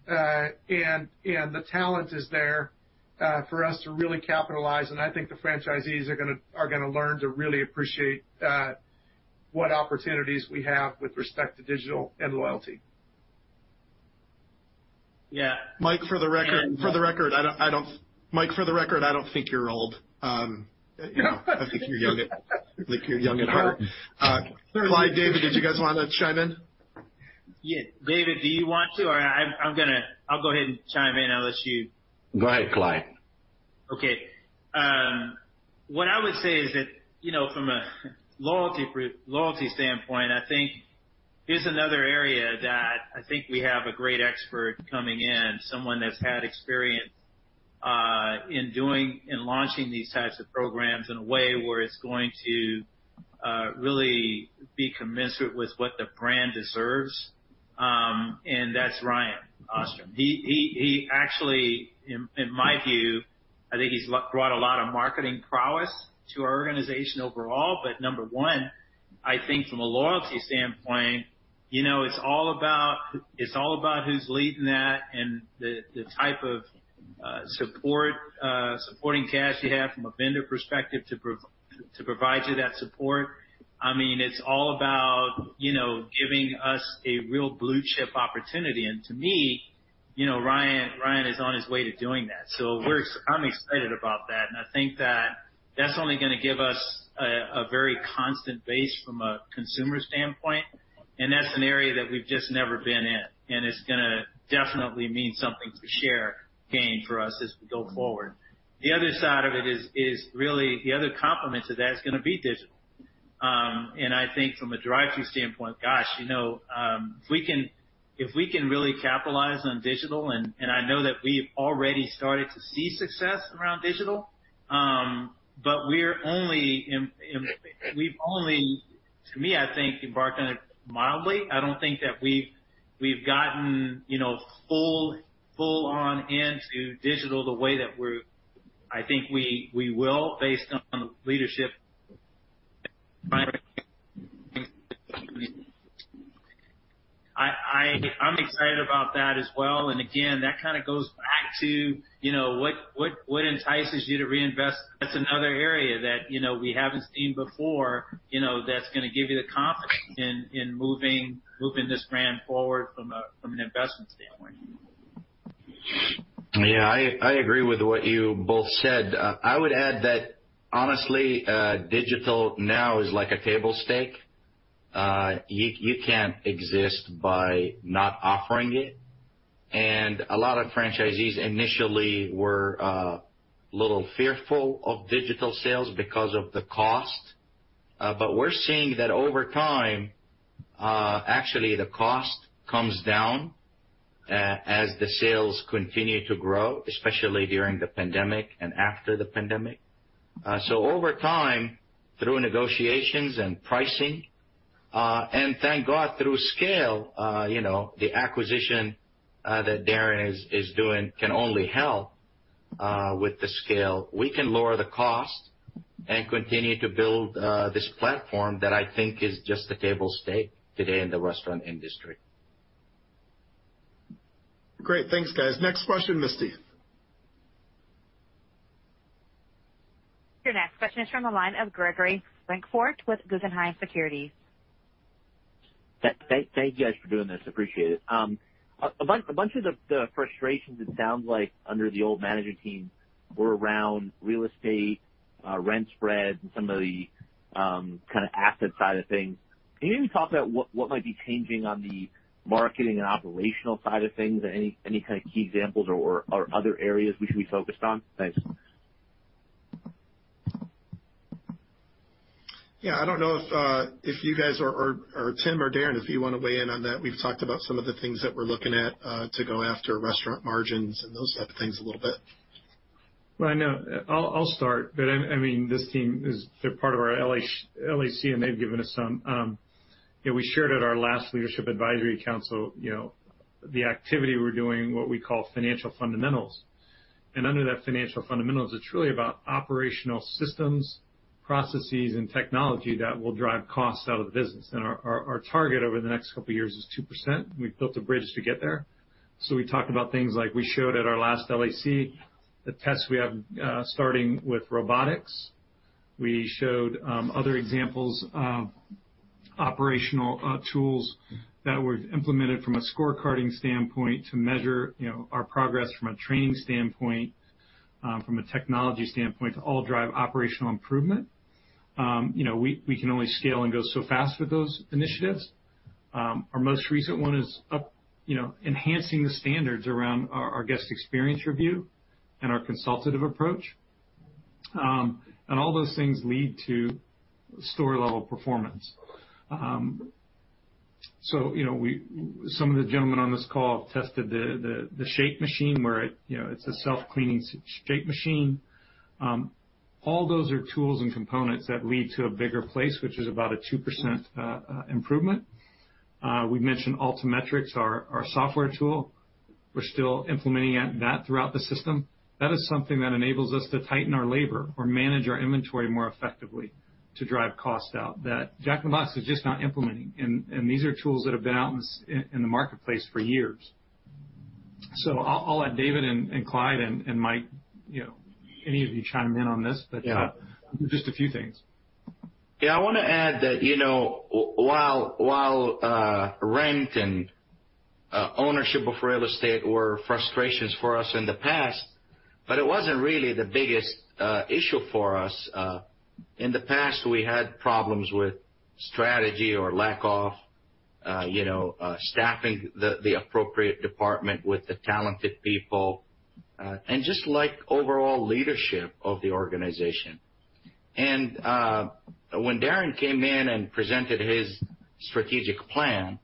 and the talent is there, for us to really capitalize. I think the franchisees are gonna learn to really appreciate what opportunities we have with respect to digital and loyalty.
Yeah.
Mike, for the record, I don't think you're old. You know, I think you're young at heart. Clyde, David, did you guys wanna chime in?
Yeah. David, do you want to? I'll go ahead and chime in unless you-
Go ahead, Clyde.
What I would say is that, you know, from a loyalty standpoint, I think here's another area that I think we have a great expert coming in, someone that's had experience in doing and launching these types of programs in a way where it's going to really be commensurate with what the brand deserves, and that's Ryan Ostrom. He actually, in my view, I think he's brought a lot of marketing prowess to our organization overall. But number one, I think from a loyalty standpoint, you know, it's all about who's leading that and the type of supporting cast you have from a vendor perspective to provide you that support. I mean, it's all about, you know, giving us a real blue-chip opportunity. To me, you know, Ryan is on his way to doing that. I'm excited about that, and I think that that's only gonna give us a very constant base from a consumer standpoint, and that's an area that we've just never been in, and it's gonna definitely mean something to share gain for us as we go forward. The other side of it is really the other complement to that is gonna be digital. I think from a drive-through standpoint, gosh, you know, if we can really capitalize on digital, and I know that we've already started to see success around digital, but we're only im-- we've only, to me, I think, embarked on it mildly. I don't think that we've gotten, you know, full on into digital the way that we're. I think we will based on leadership. I'm excited about that as well. Again, that kinda goes back to, you know, what entices you to reinvest. That's another area that, you know, we haven't seen before, you know, that's gonna give you the confidence in moving this brand forward from an investment standpoint.
Yeah. I agree with what you both said. I would add that honestly, digital now is like a table stake. You can't exist by not offering it. A lot of franchisees initially were a little fearful of digital sales because of the cost. We're seeing that over time, actually the cost comes down as the sales continue to grow, especially during the pandemic and after the pandemic. Over time, through negotiations and pricing, and thank God through scale, you know, the acquisition that Darin is doing can only help with the scale. We can lower the cost and continue to build this platform that I think is just a table stake today in the restaurant industry.
Great. Thanks, guys. Next question, Misty.
Your next question is from the line of Gregory Francfort with Guggenheim Securities.
Thank you guys for doing this. Appreciate it. A bunch of the frustrations it sounds like under the old management team were around real estate, rent spreads, and some of the kind of asset side of things. Can you maybe talk about what might be changing on the marketing and operational side of things? Any kind of key examples or other areas we should be focused on? Thanks.
Yeah, I don't know if you guys or Tim or Darin if you wanna weigh in on that. We've talked about some of the things that we're looking at to go after restaurant margins and those type of things a little bit.
Well, I know. I'll start, but I mean, this team is—they're part of our LAC, and they've given us some, you know, we shared at our last Leadership Advisory Council, you know, the activity we're doing, what we call financial fundamentals. Under that financial fundamentals, it's really about operational systems, processes, and technology that will drive costs out of the business. Our target over the next couple of years is 2%. We've built a bridge to get there. We talked about things like we showed at our last LAC, the tests we have, starting with robotics. We showed other examples of operational tools that were implemented from a scorecarding standpoint to measure, you know, our progress from a training standpoint, from a technology standpoint, to all drive operational improvement. You know, we can only scale and go so fast with those initiatives. Our most recent one is up, you know, enhancing the standards around our guest experience review and our consultative approach. All those things lead to store-level performance. You know, some of the gentlemen on this call tested the shake machine where it, you know, it's a self-cleaning shake machine. All those are tools and components that lead to a bigger place, which is about a 2% improvement. We mentioned Altametrics, our software tool. We're still implementing that throughout the system. That is something that enables us to tighten our labor or manage our inventory more effectively to drive cost out that Jack in the Box is just not implementing. These are tools that have been out in the marketplace for years. I'll let David and Clyde and Mike, you know, any of you chime in on this.
Yeah.
Just a few things.
Yeah, I wanna add that, you know, while rent and ownership of real estate were frustrations for us in the past, but it wasn't really the biggest issue for us. In the past, we had problems with strategy or lack of, you know, staffing the appropriate department with the talented people and just like overall leadership of the organization. When Darin came in and presented his strategic plan,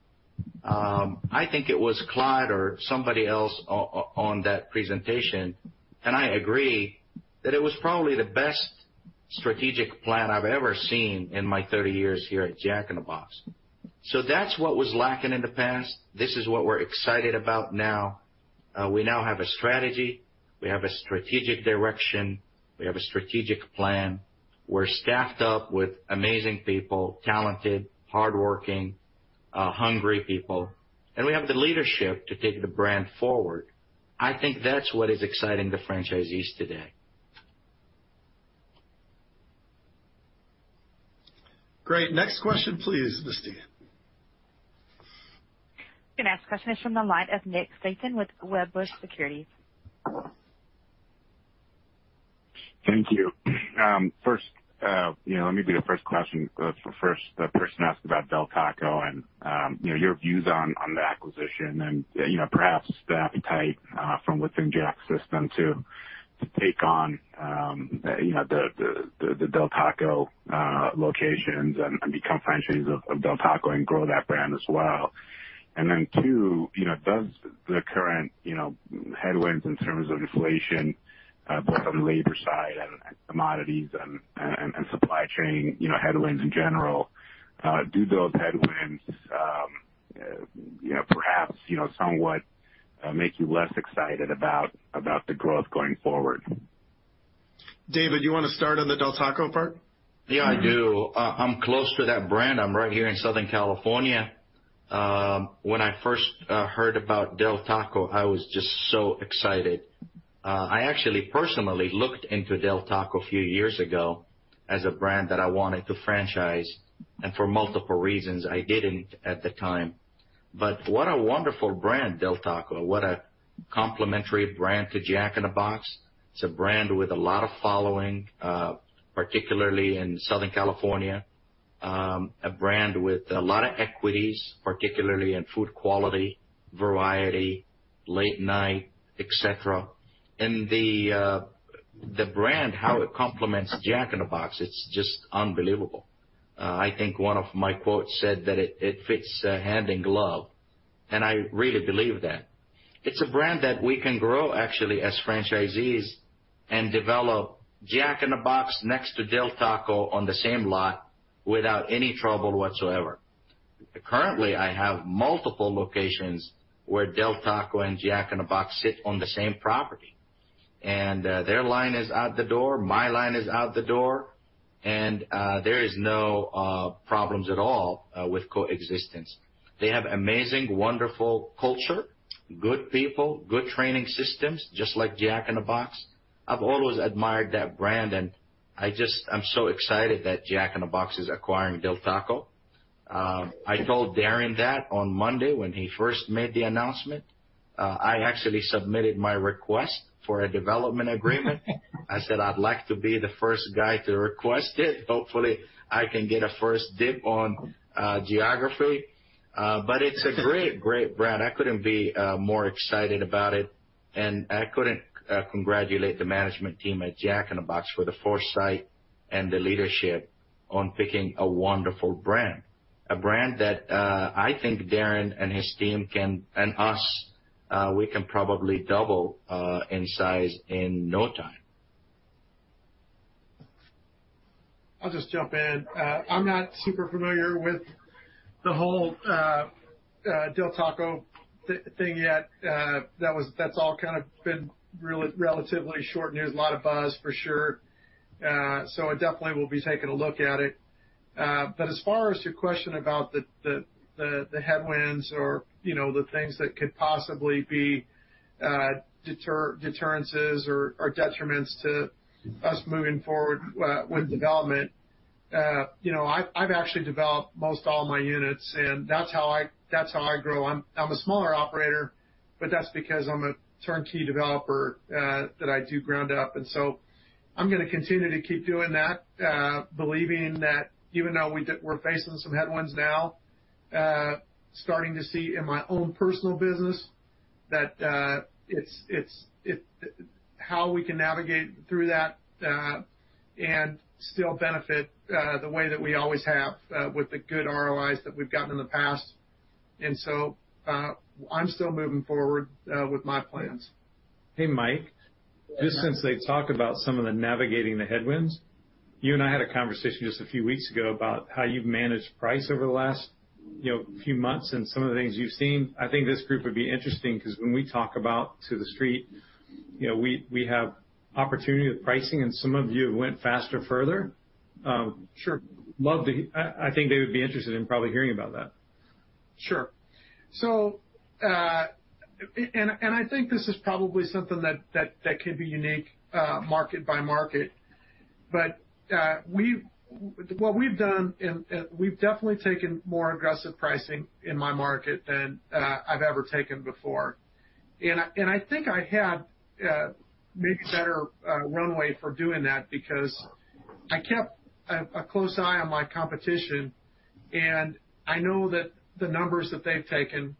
I think it was Clyde or somebody else on that presentation, and I agree that it was probably the best strategic plan I've ever seen in my 30 years here at Jack in the Box. That's what was lacking in the past. This is what we're excited about now. We now have a strategy. We have a strategic direction. We have a strategic plan. We're staffed up with amazing people, talented, hardworking, hungry people, and we have the leadership to take the brand forward. I think that's what is exciting the franchisees today.
Great. Next question, please, Misty.
The next question is from the line of Nick Setyan with Wedbush Securities.
Thank you. First, you know, let me take the first question. First, the person asked about Del Taco and, you know, your views on the acquisition and, you know, perhaps the appetite from within Jack's system to take on, you know, the Del Taco locations and become franchisees of Del Taco and grow that brand as well. Two, you know, does the current, you know, headwinds in terms of inflation both on labor side and commodities and supply chain, you know, headwinds in general do those headwinds, you know, perhaps, you know, somewhat make you less excited about the growth going forward?
David, you wanna start on the Del Taco part?
Yeah, I do. I'm close to that brand. I'm right here in Southern California. When I first heard about Del Taco, I was just so excited. I actually personally looked into Del Taco a few years ago as a brand that I wanted to franchise, and for multiple reasons, I didn't at the time. What a wonderful brand, Del Taco. What a complementary brand to Jack in the Box. It's a brand with a lot of following, particularly in Southern California. A brand with a lot of equities, particularly in food quality, variety, late night, et cetera. The brand, how it complements Jack in the Box, it's just unbelievable. I think one of my quotes said that it fits hand in glove, and I really believe that. It's a brand that we can grow actually as franchisees and develop Jack in the Box next to Del Taco on the same lot without any trouble whatsoever. Currently, I have multiple locations where Del Taco and Jack in the Box sit on the same property, and their line is out the door, my line is out the door, and there is no problems at all with coexistence. They have amazing, wonderful culture, good people, good training systems, just like Jack in the Box. I've always admired that brand, and I'm so excited that Jack in the Box is acquiring Del Taco. I told Darin that on Monday when he first made the announcement. I actually submitted my request for a development agreement. I said, "I'd like to be the first guy to request it." Hopefully, I can get a first dibs on geography. It's a great brand. I couldn't be more excited about it, and I couldn't congratulate the management team at Jack in the Box for the foresight and the leadership on picking a wonderful brand. A brand that I think Darin and his team can and us we can probably double in size in no time.
I'll just jump in. I'm not super familiar with the whole Del Taco thing yet. That's all kind of been relatively short news. A lot of buzz, for sure. I definitely will be taking a look at it. As far as your question about the headwinds or, you know, the things that could possibly be deterrences or detriments to us moving forward with development, you know, I've actually developed most all my units, and that's how I grow. I'm a smaller operator, but that's because I'm a turnkey developer that I do ground up. I'm gonna continue to keep doing that, believing that even though we're facing some headwinds now, starting to see in my own personal business that it's how we can navigate through that and still benefit the way that we always have with the good ROIs that we've gotten in the past. I'm still moving forward with my plans.
Hey, Mike.
Yes.
Just since they talked about some of the navigating the headwinds, you and I had a conversation just a few weeks ago about how you've managed price over the last, you know, few months and some of the things you've seen. I think this group would be interesting because when we talk about to the street, you know, we have opportunity with pricing, and some of you have went faster, further.
Sure.
I think they would be interested in probably hearing about that.
Sure. I think this is probably something that could be unique, market by market. What we've done, and we've definitely taken more aggressive pricing in my market than I've ever taken before. I think I had maybe better runway for doing that because I kept a close eye on my competition, and I know that the numbers that they've taken,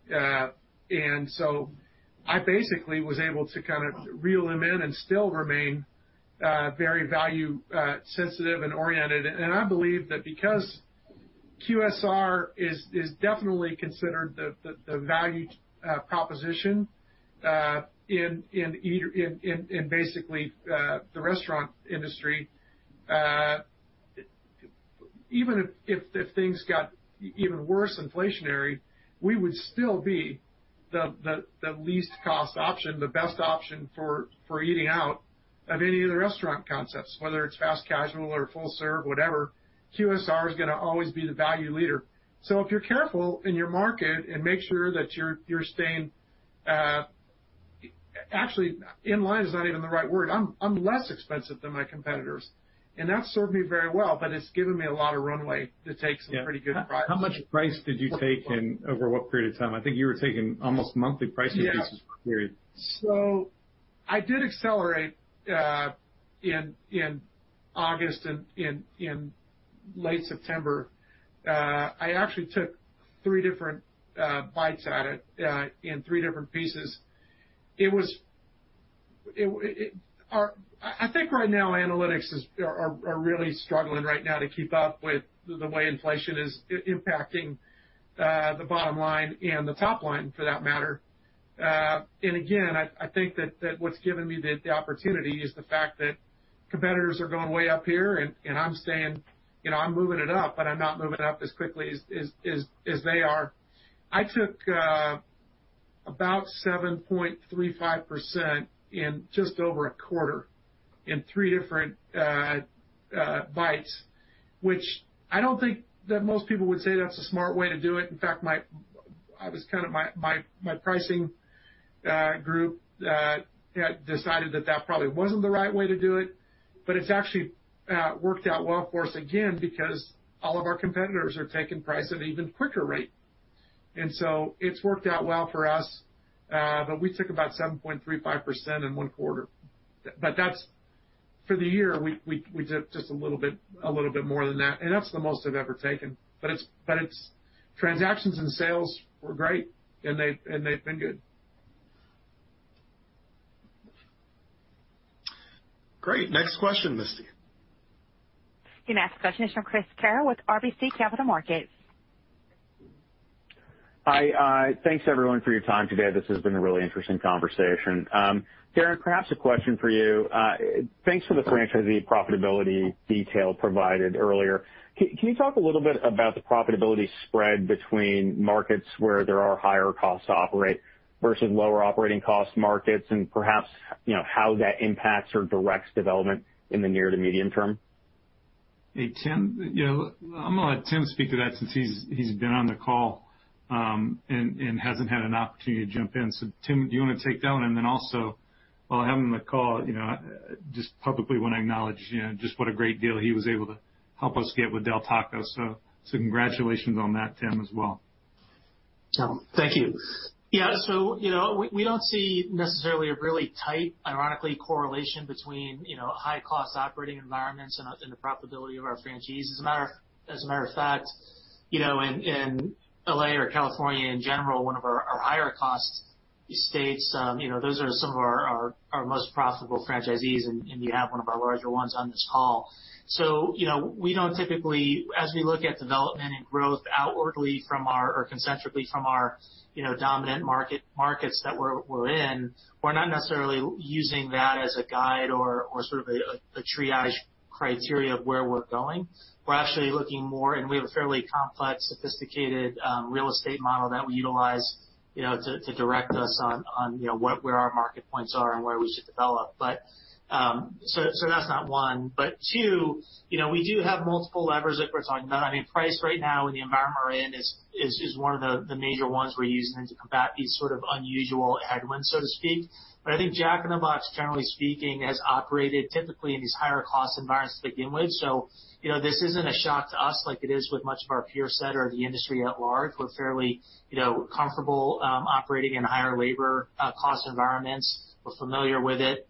and so I basically was able to kind of reel them in and still remain very value sensitive and oriented. I believe that because QSR is definitely considered the value proposition in basically the restaurant industry, even if things got even worse inflationary, we would still be the least cost option, the best option for eating out of any of the restaurant concepts, whether it's fast casual or full service, whatever. QSR is gonna always be the value leader. If you're careful in your market and make sure that you're staying. Actually, in line is not even the right word. I'm less expensive than my competitors, and that's served me very well, but it's given me a lot of runway to take some pretty good prices.
Yeah. How much price did you take in over what period of time? I think you were taking almost monthly price increases per period.
Yeah. I did accelerate in August and in late September. I actually took three different bites at it in three different pieces. I think right now analytics are really struggling right now to keep up with the way inflation is impacting the bottom line and the top line for that matter. Again, I think that what's given me the opportunity is the fact that competitors are going way up here, and I'm saying, you know, I'm moving it up, but I'm not moving it up as quickly as they are. I took about 7.35% in just over a quarter in three different bites, which I don't think that most people would say that's a smart way to do it. In fact, my pricing group had decided that that probably wasn't the right way to do it, but it's actually worked out well for us again because all of our competitors are taking price at an even quicker rate. It's worked out well for us. We took about 7.35% in one quarter. For the year, we took just a little bit more than that, and that's the most I've ever taken. Transactions and sales were great and they've been good. Great. Next question, Misty.
The next question is from Chris Carril with RBC Capital Markets.
Hi, thanks everyone for your time today. This has been a really interesting conversation. Darin, perhaps a question for you. Thanks for the franchisee profitability detail provided earlier. Can you talk a little bit about the profitability spread between markets where there are higher costs to operate versus lower operating cost markets and perhaps, you know, how that impacts or directs development in the near to medium term?
Hey, Tim. You know, I'm gonna let Tim speak to that since he's been on the call and hasn't had an opportunity to jump in. So Tim, do you wanna take that one? Then also, while having him on the call, you know, just publicly wanna acknowledge, you know, just what a great deal he was able to help us get with Del Taco. So congratulations on that, Tim, as well.
Thank you. Yeah. You know, we don't see necessarily a really tight, ironically, correlation between, you know, high-cost operating environments and the profitability of our franchisees. As a matter of fact, you know, in L.A. or California in general, one of our higher cost states, you know, those are some of our most profitable franchisees, and you have one of our larger ones on this call. You know, we don't typically. As we look at development and growth concentrically from our, you know, dominant markets that we're in, we're not necessarily using that as a guide or sort of a triage criteria of where we're going. We're actually looking more, and we have a fairly complex, sophisticated real estate model that we utilize, you know, to direct us on, you know, where our market points are and where we should develop. That's not one. Two, you know, we do have multiple levers that we're talking about. I mean, price right now in the environment we're in is one of the major ones we're using to combat these sort of unusual headwinds, so to speak. I think Jack in the Box, generally speaking, has operated typically in these higher cost environments to begin with. You know, this isn't a shock to us like it is with much of our peer set or the industry at large. We're fairly, you know, comfortable operating in higher labor cost environments. We're familiar with it.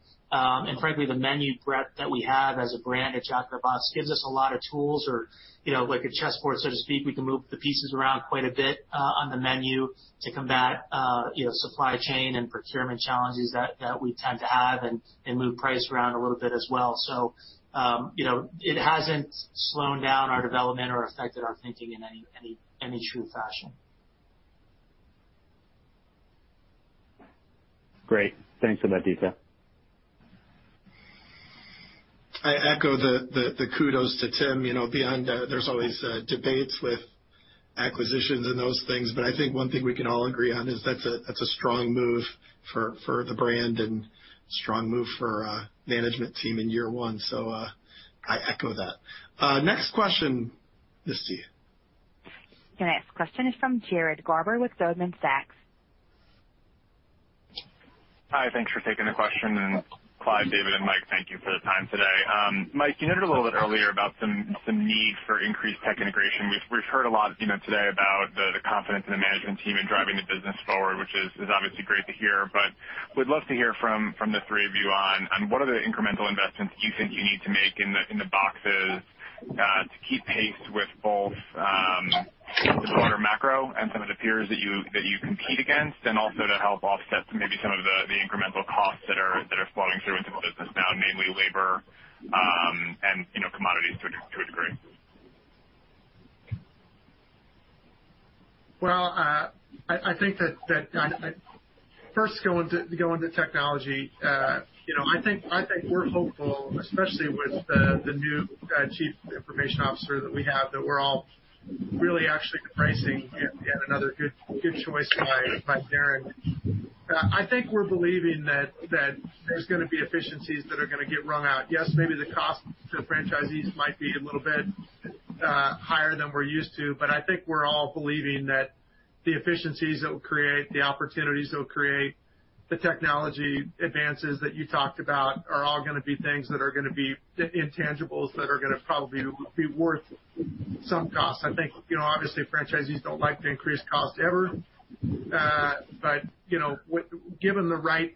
Frankly, the menu breadth that we have as a brand at Jack in the Box gives us a lot of tools or, you know, like a chessboard, so to speak, we can move the pieces around quite a bit on the menu to combat, you know, supply chain and procurement challenges that we tend to have and move price around a little bit as well. You know, it hasn't slowed down our development or affected our thinking in any true fashion.
Great. Thanks for that detail.
I echo the kudos to Tim. You know, beyond there's always debates with acquisitions and those things, but I think one thing we can all agree on is that's a strong move for the brand and strong move for management team in year one. I echo that. Next question, Misty.
The next question is from Jared Garber with Goldman Sachs.
Hi. Thanks for taking the question. Clyde, David, and Mike, thank you for the time today. Mike, you noted a little bit earlier about some need for increased tech integration. We've heard a lot, you know, today about the confidence in the management team in driving the business forward, which is obviously great to hear. We'd love to hear from the three of you on what other incremental investments do you think you need to make in the boxes to keep pace with both the broader macro and some of the peers that you compete against, and also to help offset maybe some of the incremental costs that are flowing through into the business now, namely labor and, you know, commodities to a degree.
Well, I think that I'm first going to technology, you know, I think we're hopeful, especially with the new Chief Information Officer that we have, that we're all really actually appreciating yet another good choice by Darin. I think we're believing that there's gonna be efficiencies that are gonna get wrung out. Yes, maybe the cost to the franchisees might be a little bit higher than we're used to, but I think we're all believing that the efficiencies it will create, the opportunities it'll create, the technology advances that you talked about are all gonna be things that are gonna be intangibles that are gonna probably be worth some cost. I think, you know, obviously, franchisees don't like the increased cost ever. You know, given the right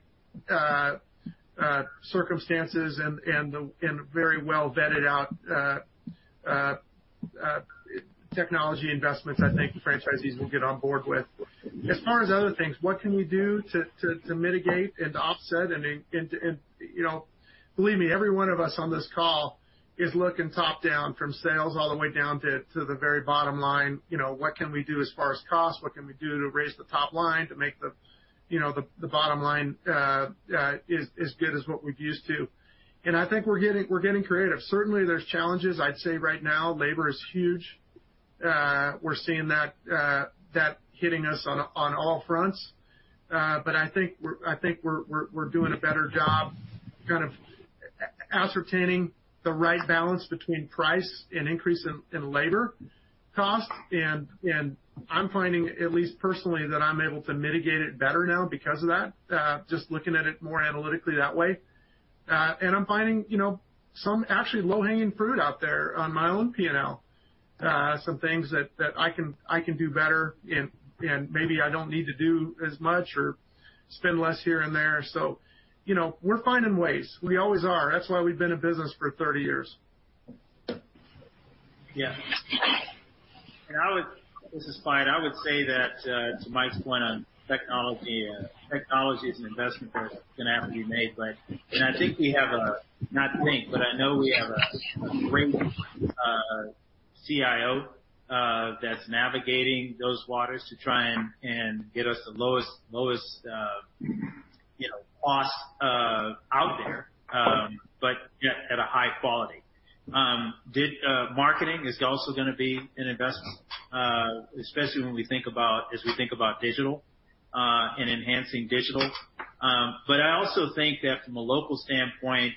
circumstances and the very well vetted out technology investments, I think the franchisees will get on board with. As far as other things, what can we do to mitigate and offset and, you know, believe me, every one of us on this call is looking top-down from sales all the way down to the very bottom line. You know, what can we do as far as cost? What can we do to raise the top line to make the, you know, the bottom line as good as what we're used to? I think we're getting creative. Certainly, there's challenges. I'd say right now, labor is huge. We're seeing that hitting us on all fronts. I think we're doing a better job kind of ascertaining the right balance between price and increase in labor costs. I'm finding, at least personally, that I'm able to mitigate it better now because of that, just looking at it more analytically that way. I'm finding, you know, some actually low-hanging fruit out there on my own P&L, some things that I can do better and maybe I don't need to do as much or spend less here and there. You know, we're finding ways. We always are. That's why we've been in business for 30 years.
This is Clyde. I would say that to Mike's point on technology is an investment that's gonna have to be made. I think we have a, not think, but I know we have a great CIO that's navigating those waters to try and get us the lowest you know cost out there, but yet at a high quality. Marketing is also gonna be an investment, especially as we think about digital and enhancing digital. I also think that from a local standpoint,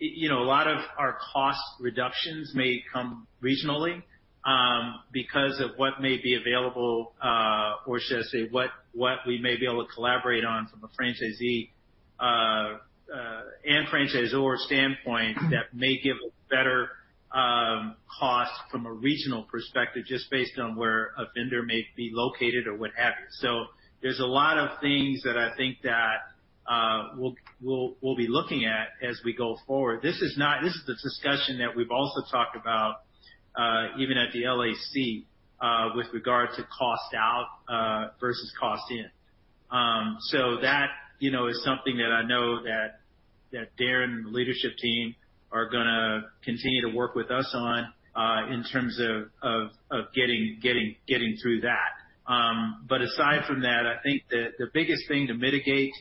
you know, a lot of our cost reductions may come regionally, because of what may be available, or should I say, what we may be able to collaborate on from a franchisee and franchisor standpoint that may give a better cost from a regional perspective, just based on where a vendor may be located or what have you. So there's a lot of things that I think that we'll be looking at as we go forward. This is the discussion that we've also talked about, even at the LAC, with regard to cost out versus cost in. That, you know, is something that I know that Darin and the leadership team are gonna continue to work with us on in terms of getting through that. Aside from that, I think the biggest thing to mitigate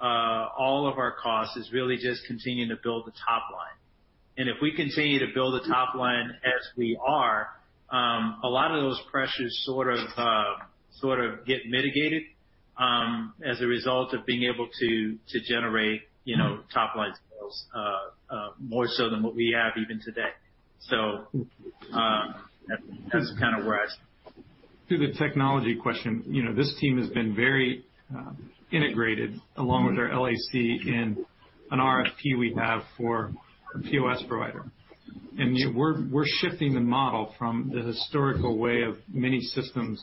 all of our costs is really just continuing to build the top line. If we continue to build the top line as we are, a lot of those pressures sort of get mitigated as a result of being able to generate, you know, top-line sales more so than what we have even today. That's kind of where I stand.
To the technology question, you know, this team has been very integrated along with our LAC in an RFP we have for a POS provider. We're shifting the model from the historical way of many systems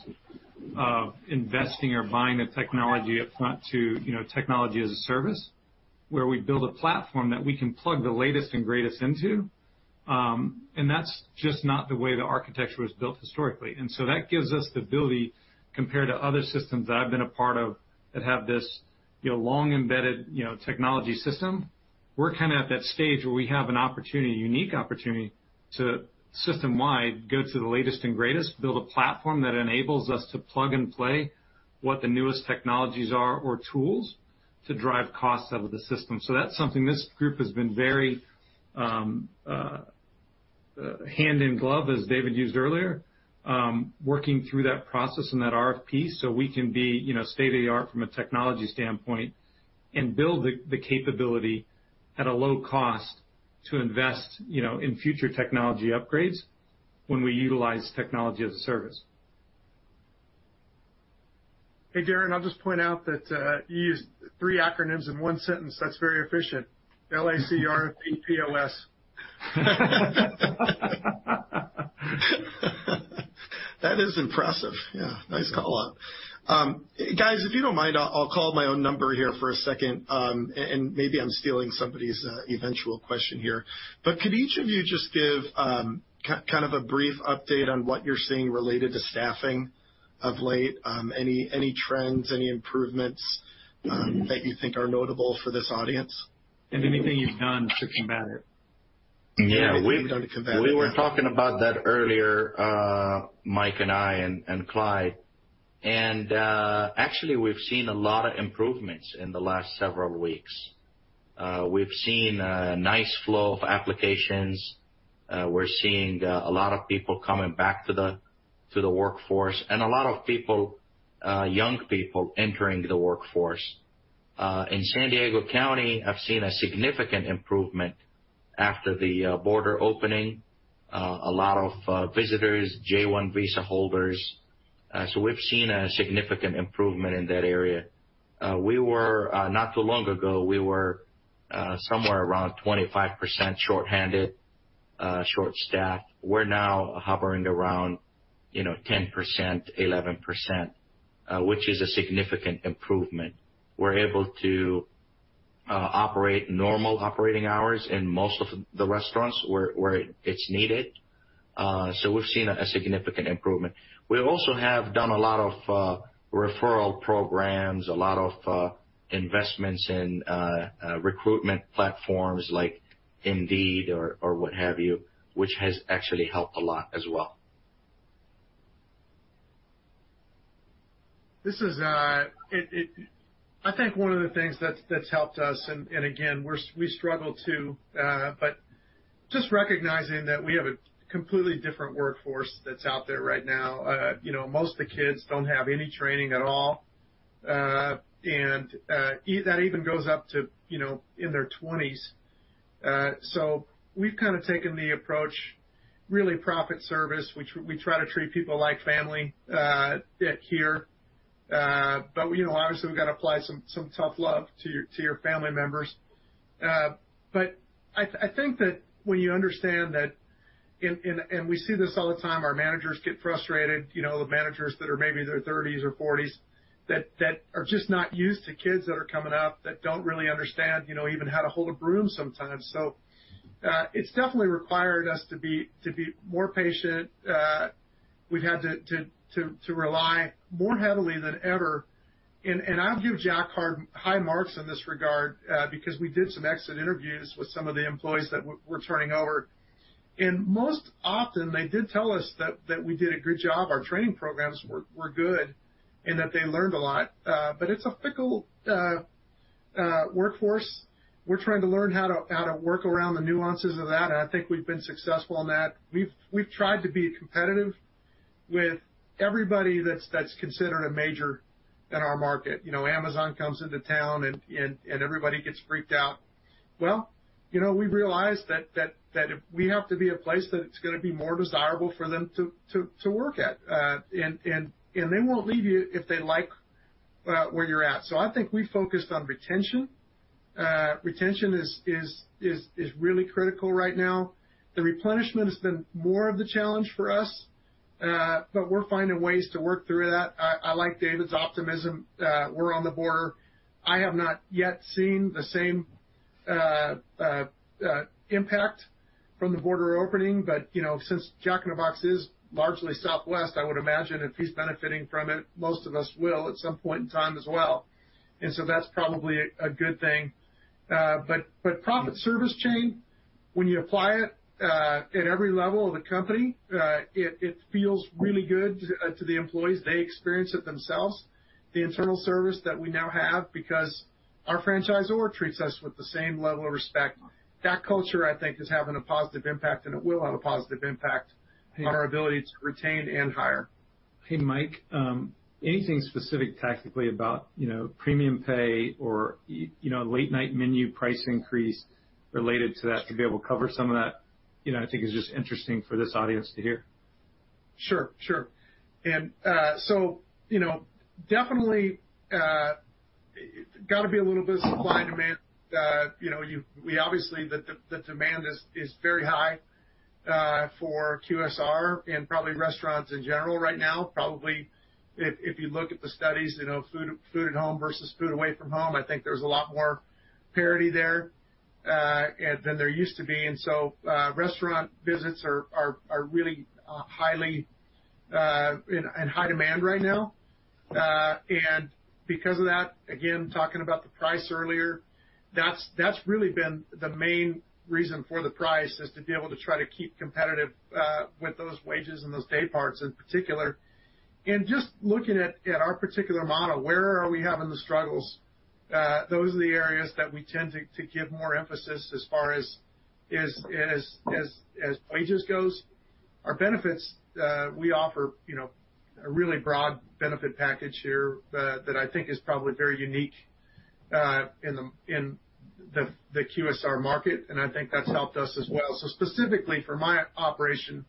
of investing or buying the technology up front to, you know, technology as a service, where we build a platform that we can plug the latest and greatest into. That's just not the way the architecture was built historically. That gives us the ability, compared to other systems that I've been a part of that have this, you know, long embedded, you know, technology system. We're kinda at that stage where we have an opportunity, a unique opportunity to, system-wide, go to the latest and greatest, build a platform that enables us to plug and play what the newest technologies are or tools to drive costs out of the system. That's something this group has been very, hand in glove, as David used earlier, working through that process and that RFP, so we can be, you know, state-of-the-art from a technology standpoint and build the capability at a low cost to invest, you know, in future technology upgrades when we utilize technology as a service.
Hey, Darin, I'll just point out that you used three acronyms in one sentence. That's very efficient. LAC, RFP, POS. That is impressive. Yeah. Nice call out. Guys, if you don't mind, I'll call my own number here for a second. And maybe I'm stealing somebody's eventual question here. Could each of you just give kind of a brief update on what you're seeing related to staffing of late? Any trends, any improvements that you think are notable for this audience?
anything you've done to combat it.
Yeah.
Anything you've done to combat it.
We were talking about that earlier, Mike and I and Clyde. Actually, we've seen a lot of improvements in the last several weeks. We've seen a nice flow of applications. We're seeing a lot of people coming back to the workforce and a lot of people, young people entering the workforce. In San Diego County, I've seen a significant improvement after the border opening, a lot of visitors, J-1 visa holders. We've seen a significant improvement in that area. Not too long ago, we were somewhere around 25% shorthanded, short-staffed. We're now hovering around, you know, 10%, 11%, which is a significant improvement. We're able to operate normal operating hours in most of the restaurants where it's needed. We've seen a significant improvement. We also have done a lot of referral programs, a lot of investments in recruitment platforms like Indeed or what have you, which has actually helped a lot as well.
This is, I think one of the things that's helped us and again, we struggle too, but just recognizing that we have a completely different workforce that's out there right now. You know, most of the kids don't have any training at all, and that even goes up to, you know, in their twenties. So we've kinda taken the approach, service profit chain. We try to treat people like family here. You know, obviously, we gotta apply some tough love to your family members. I think that when you understand that and we see this all the time, our managers get frustrated, you know, the managers that are maybe in their 30s or 40s that are just not used to kids that are coming up that don't really understand, you know, even how to hold a broom sometimes. It's definitely required us to be more patient. We've had to rely more heavily than ever. I'll give Jack high marks in this regard, because we did some exit interviews with some of the employees that we're turning over. Most often, they did tell us that we did a good job, our training programs were good, and that they learned a lot. It's a fickle workforce. We're trying to learn how to work around the nuances of that, and I think we've been successful in that. We've tried to be competitive with everybody that's considered a major in our market. You know, Amazon comes into town and everybody gets freaked out. Well, you know, we realized that we have to be a place that it's gonna be more desirable for them to work at. They won't leave you if they like where you're at. I think we focused on retention. Retention is really critical right now. The replenishment has been more of the challenge for us, but we're finding ways to work through that. I like David's optimism. We're on the border. I have not yet seen the same impact from the border opening. You know, since Jack in the Box is largely southwest, I would imagine if he's benefiting from it, most of us will at some point in time as well. That's probably a good thing. Service profit chain, when you apply it at every level of the company, it feels really good to the employees. They experience it themselves, the internal service that we now have, because our franchisor treats us with the same level of respect. That culture, I think, is having a positive impact, and it will have a positive impact on our ability to retain and hire.
Hey, Mike, anything specific tactically about, you know, premium pay or you know, late-night menu price increase related to that to be able to cover some of that? You know, I think it's just interesting for this audience to hear.
Sure, sure. You know, definitely gotta be a little bit of supply and demand. You know, we obviously, the demand is very high for QSR and probably restaurants in general right now. Probably if you look at the studies, you know, food at home versus food away from home, I think there's a lot more parity there than there used to be. Restaurant visits are really in high demand right now. Because of that, again, talking about the price earlier, that's really been the main reason for the price, is to be able to try to keep competitive with those wages and those day parts in particular. Just looking at our particular model, where are we having the struggles? Those are the areas that we tend to give more emphasis as far as wages goes. Our benefits, we offer, you know, a really broad benefit package here that I think is probably very unique in the QSR market, and I think that's helped us as well. So specifically for my operation,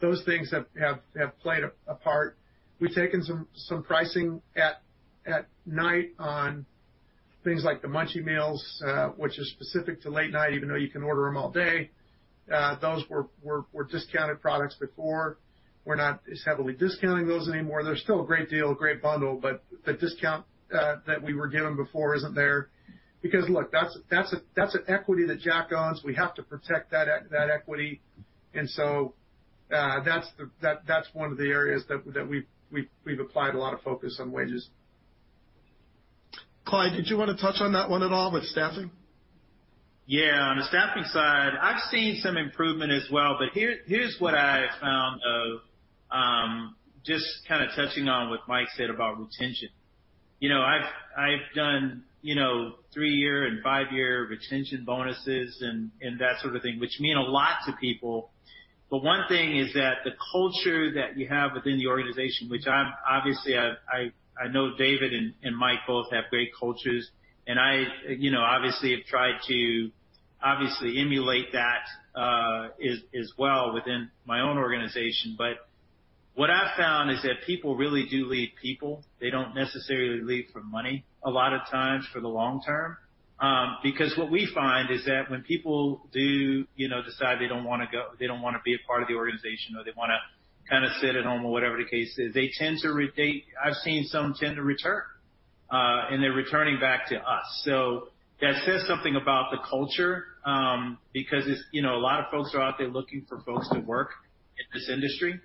those things have played a part. We've taken some pricing at night on things like the Munchie Meal, which is specific to late night, even though you can order them all day. Those were discounted products before. We're not as heavily discounting those anymore. They're still a great deal, a great bundle, but the discount that we were given before isn't there. Because look, that's an equity that Jack owns. We have to protect that equity. That's one of the areas that we've applied a lot of focus on wages.
Clyde, did you wanna touch on that one at all with staffing?
Yeah. On the staffing side, I've seen some improvement as well, but here's what I found of just kinda touching on what Mike said about retention. You know, I've done, you know, three-year and five-year retention bonuses and that sort of thing, which mean a lot to people. One thing is that the culture that you have within the organization, which I'm obviously I know David and Mike both have great cultures. I you know, obviously have tried to obviously emulate that as well within my own organization. What I've found is that people really do leave people. They don't necessarily leave for money a lot of times for the long term. Because what we find is that when people do, you know, decide they don't wanna go, they don't wanna be a part of the organization, or they wanna kinda sit at home or whatever the case is, they tend to return, and they're returning back to us. That says something about the culture, because it's, you know, a lot of folks are out there looking for folks to work in this industry.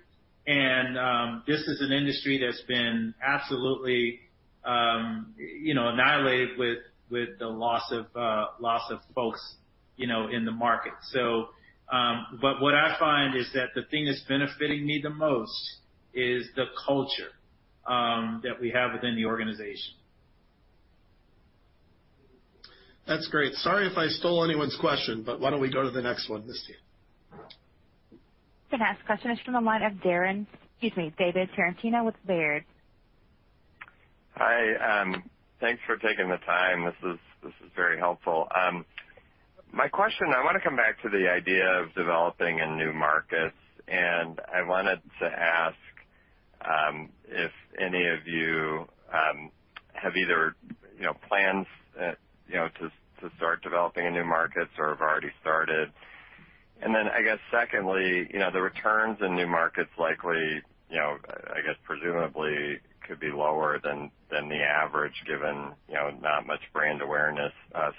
This is an industry that's been absolutely, you know, annihilated with the loss of folks, you know, in the market. But what I find is that the thing that's benefiting me the most is the culture that we have within the organization.
That's great. Sorry if I stole anyone's question, but why don't we go to the next one, Misty.
The next question is from the line of David Tarantino with Baird.
Hi, thanks for taking the time. This is very helpful. My question, I wanna come back to the idea of developing in new markets, and I wanted to ask if any of you have either, you know, plans, you know, to start developing in new markets or have already started. I guess secondly, you know, the returns in new markets likely, you know, I guess presumably could be lower than the average given, you know, not much brand awareness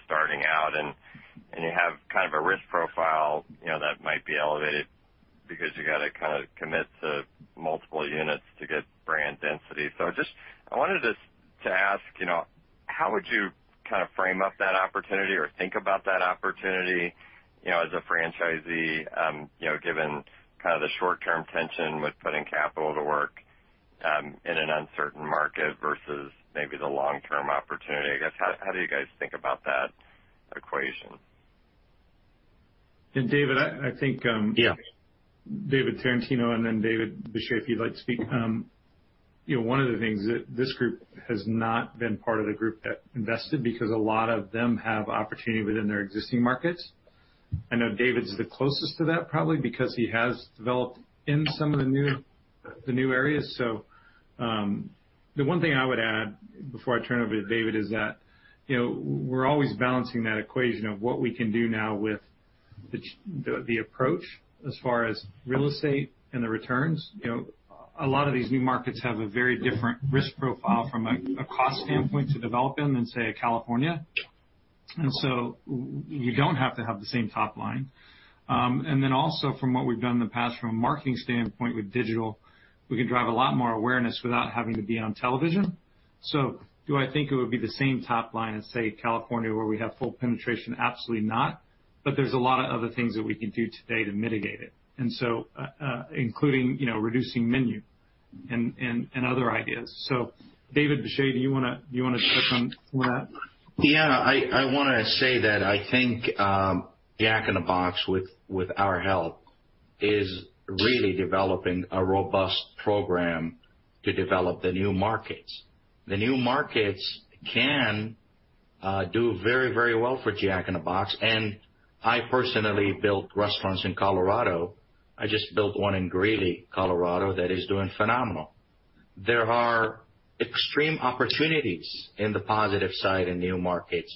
starting out. You have kind of a risk profile, you know, that might be elevated because you gotta kinda commit to multiple units to get brand density. I wanted to ask, you know, how would you kinda frame up that opportunity or think about that opportunity, you know, as a franchisee, you know, given kinda the short-term tension with putting capital to work, in an uncertain market versus maybe the long-term opportunity? I guess, how do you guys think about that equation?
David, I think.
Yeah.
David Tarantino, and then David Beshay, if you'd like to speak. You know, one of the things that this group has not been part of the group that invested because a lot of them have opportunity within their existing markets. I know David's the closest to that probably because he has developed in some of the new areas. The one thing I would add before I turn it over to David is that, you know, we're always balancing that equation of what we can do now with the approach as far as real estate and the returns. You know, a lot of these new markets have a very different risk profile from a cost standpoint to develop in than, say, California. You don't have to have the same top line. Also from what we've done in the past from a marketing standpoint with digital, we can drive a lot more awareness without having to be on television. Do I think it would be the same top line as, say, California, where we have full penetration? Absolutely not. There's a lot of other things that we can do today to mitigate it, and so, including, you know, reducing menu and other ideas. David Beshay, do you wanna touch on some of that?
Yeah. I wanna say that I think Jack in the Box, with our help, is really developing a robust program to develop the new markets. The new markets can do very, very well for Jack in the Box, and I personally built restaurants in Colorado. I just built one in Greeley, Colorado, that is doing phenomenal. There are extreme opportunities in the positive side in new markets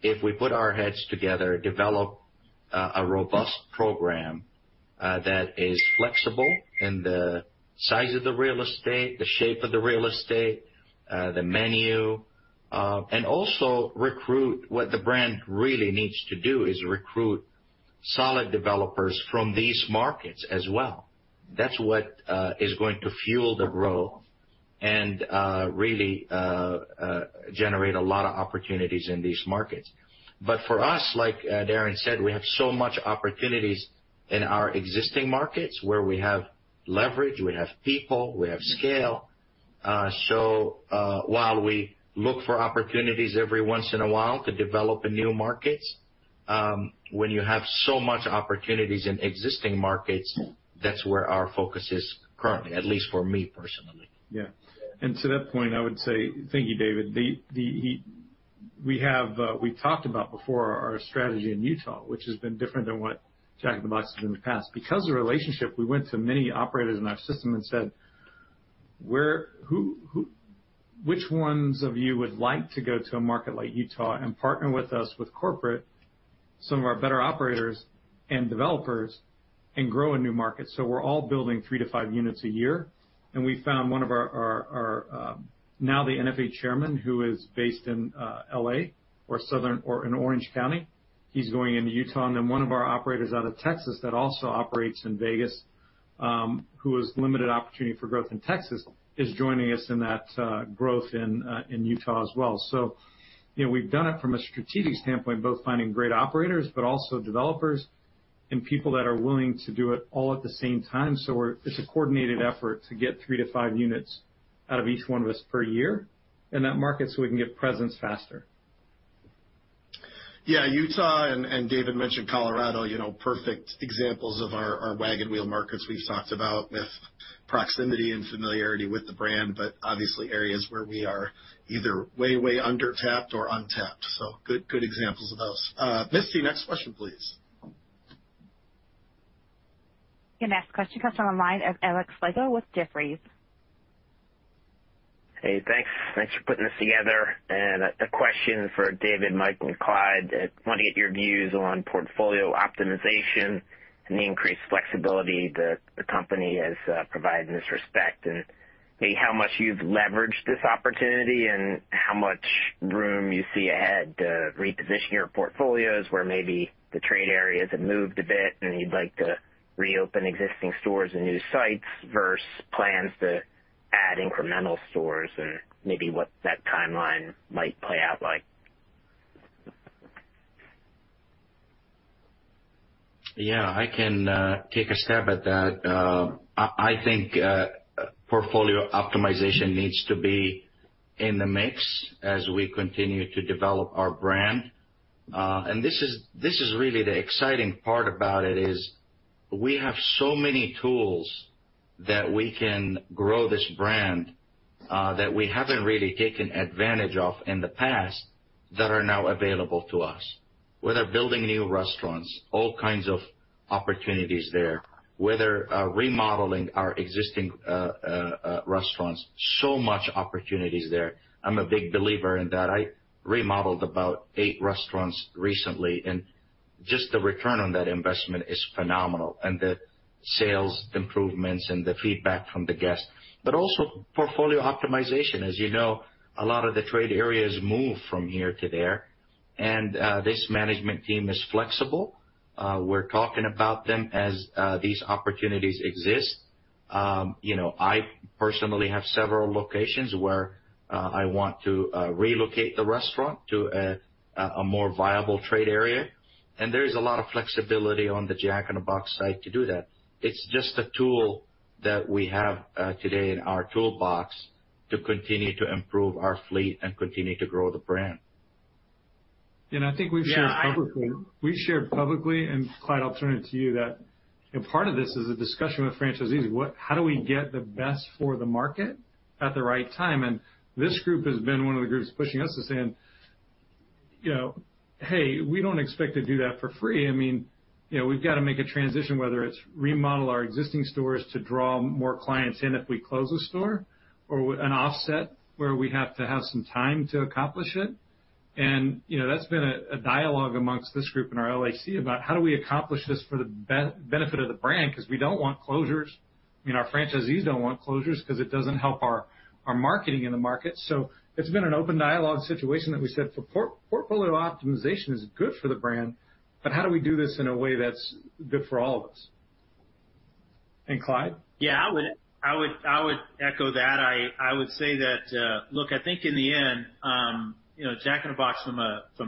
if we put our heads together, develop a robust program that is flexible in the size of the real estate, the shape of the real estate, the menu, and also recruit. What the brand really needs to do is recruit solid developers from these markets as well. That's what is going to fuel the growth and really generate a lot of opportunities in these markets. For us, like, Darin said, we have so much opportunities in our existing markets where we have leverage, we have people, we have scale. While we look for opportunities every once in a while to develop in new markets, when you have so much opportunities in existing markets, that's where our focus is currently, at least for me personally.
Yeah. To that point, I would say. Thank you, David. We talked about before our strategy in Utah, which has been different than what Jack in the Box has been in the past. Because of the relationship, we went to many operators in our system and said, "Which ones of you would like to go to a market like Utah and partner with us, with corporate, some of our better operators and developers, and grow a new market?" We're all building 3-5 units a year, and we found one of our now the NFA Chairman, who is based in L.A. or in Orange County. He's going into Utah. One of our operators out of Texas that also operates in Vegas, who has limited opportunity for growth in Texas, is joining us in that growth in Utah as well. You know, we've done it from a strategic standpoint, both finding great operators but also developers and people that are willing to do it all at the same time. It's a coordinated effort to get 3-5 units out of each one of us per year in that market, so we can get presence faster.
Yeah, Utah and David mentioned Colorado, you know, perfect examples of our wagon wheel markets we've talked about with proximity and familiarity with the brand, but obviously areas where we are either way undertapped or untapped. Good examples of those. Misty, next question, please.
The next question comes from the line of Alexander Slagle with Jefferies.
Hey, thanks for putting this together. A question for David, Mike, and Clyde. Want to get your views on portfolio optimization and the increased flexibility the company has provided in this respect, and maybe how much you've leveraged this opportunity and how much room you see ahead to reposition your portfolios where maybe the trade areas have moved a bit and you'd like to reopen existing stores and new sites versus plans to add incremental stores and maybe what that timeline might play out like.
Yeah. I can take a stab at that. I think portfolio optimization needs to be in the mix as we continue to develop our brand. This is really the exciting part about it, is we have so many tools that we can grow this brand that we haven't really taken advantage of in the past that are now available to us, whether building new restaurants, all kinds of opportunities there, whether remodeling our existing restaurants, so many opportunities there. I'm a big believer in that. I remodeled about eight restaurants recently and just the return on that investment is phenomenal, and the sales improvements and the feedback from the guests. Also portfolio optimization. As you know, a lot of the trade areas move from here to there, and this management team is flexible. We're talking about them as these opportunities exist. You know, I personally have several locations where I want to relocate the restaurant to a more viable trade area, and there is a lot of flexibility on the Jack in the Box side to do that. It's just a tool that we have today in our toolbox to continue to improve our fleet and continue to grow the brand.
I think we've shared publicly.
Yeah.
We've shared publicly, and Clyde, I'll turn it to you, that, you know, part of this is a discussion with franchisees. What, how do we get the best for the market at the right time? This group has been one of the groups pushing us to saying, you know, "Hey, we don't expect to do that for free." I mean, you know, we've gotta make a transition, whether it's remodel our existing stores to draw more clients in if we close a store or an offset where we have to have some time to accomplish it. You know, that's been a dialogue amongst this group in our LAC about how do we accomplish this for the benefit of the brand? 'Cause we don't want closures, and our franchisees don't want closures 'cause it doesn't help our marketing in the market. It's been an open dialogue situation that we said portfolio optimization is good for the brand, but how do we do this in a way that's good for all of us? Clyde?
Yeah. I would echo that. I would say that look, I think in the end, you know, Jack in the Box from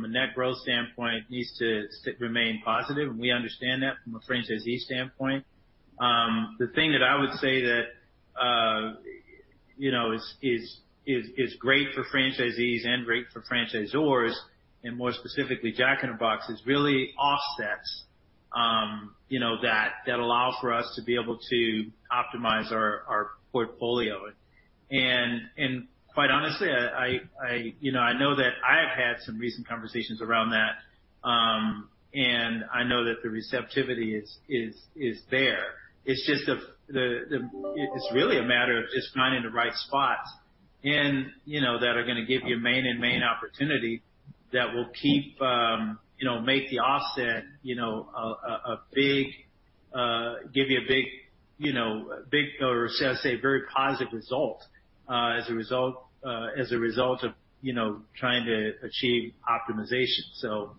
a net growth standpoint needs to remain positive, and we understand that from a franchisee standpoint. The thing that I would say that you know is great for franchisees and great for franchisors, and more specifically, Jack in the Box, is really offsets that allow for us to be able to optimize our portfolio. Quite honestly, you know, I know that I've had some recent conversations around that, and I know that the receptivity is there. It's just the It's really a matter of just finding the right spots and, you know, that are gonna give you main and gain opportunity that will make the offset, you know, give you a big, you know, big or should I say a very positive result as a result of, you know, trying to achieve optimization.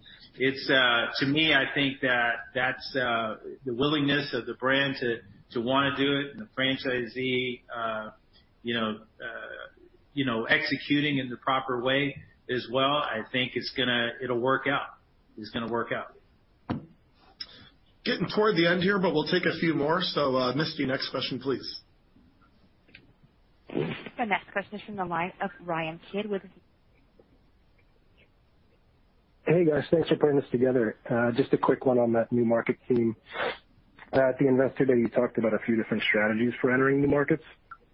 To me, I think that's the willingness of the brand to wanna do it, and the franchisee, you know, executing in the proper way as well. I think it'll work out. It's gonna work out.
Getting toward the end here, but we'll take a few more. Misty, next question, please.
The next question is from the line of Ryan Kidd with.
Hey, guys. Thanks for putting this together. Just a quick one on that new market team. At the Investor Day, you talked about a few different strategies for entering new markets.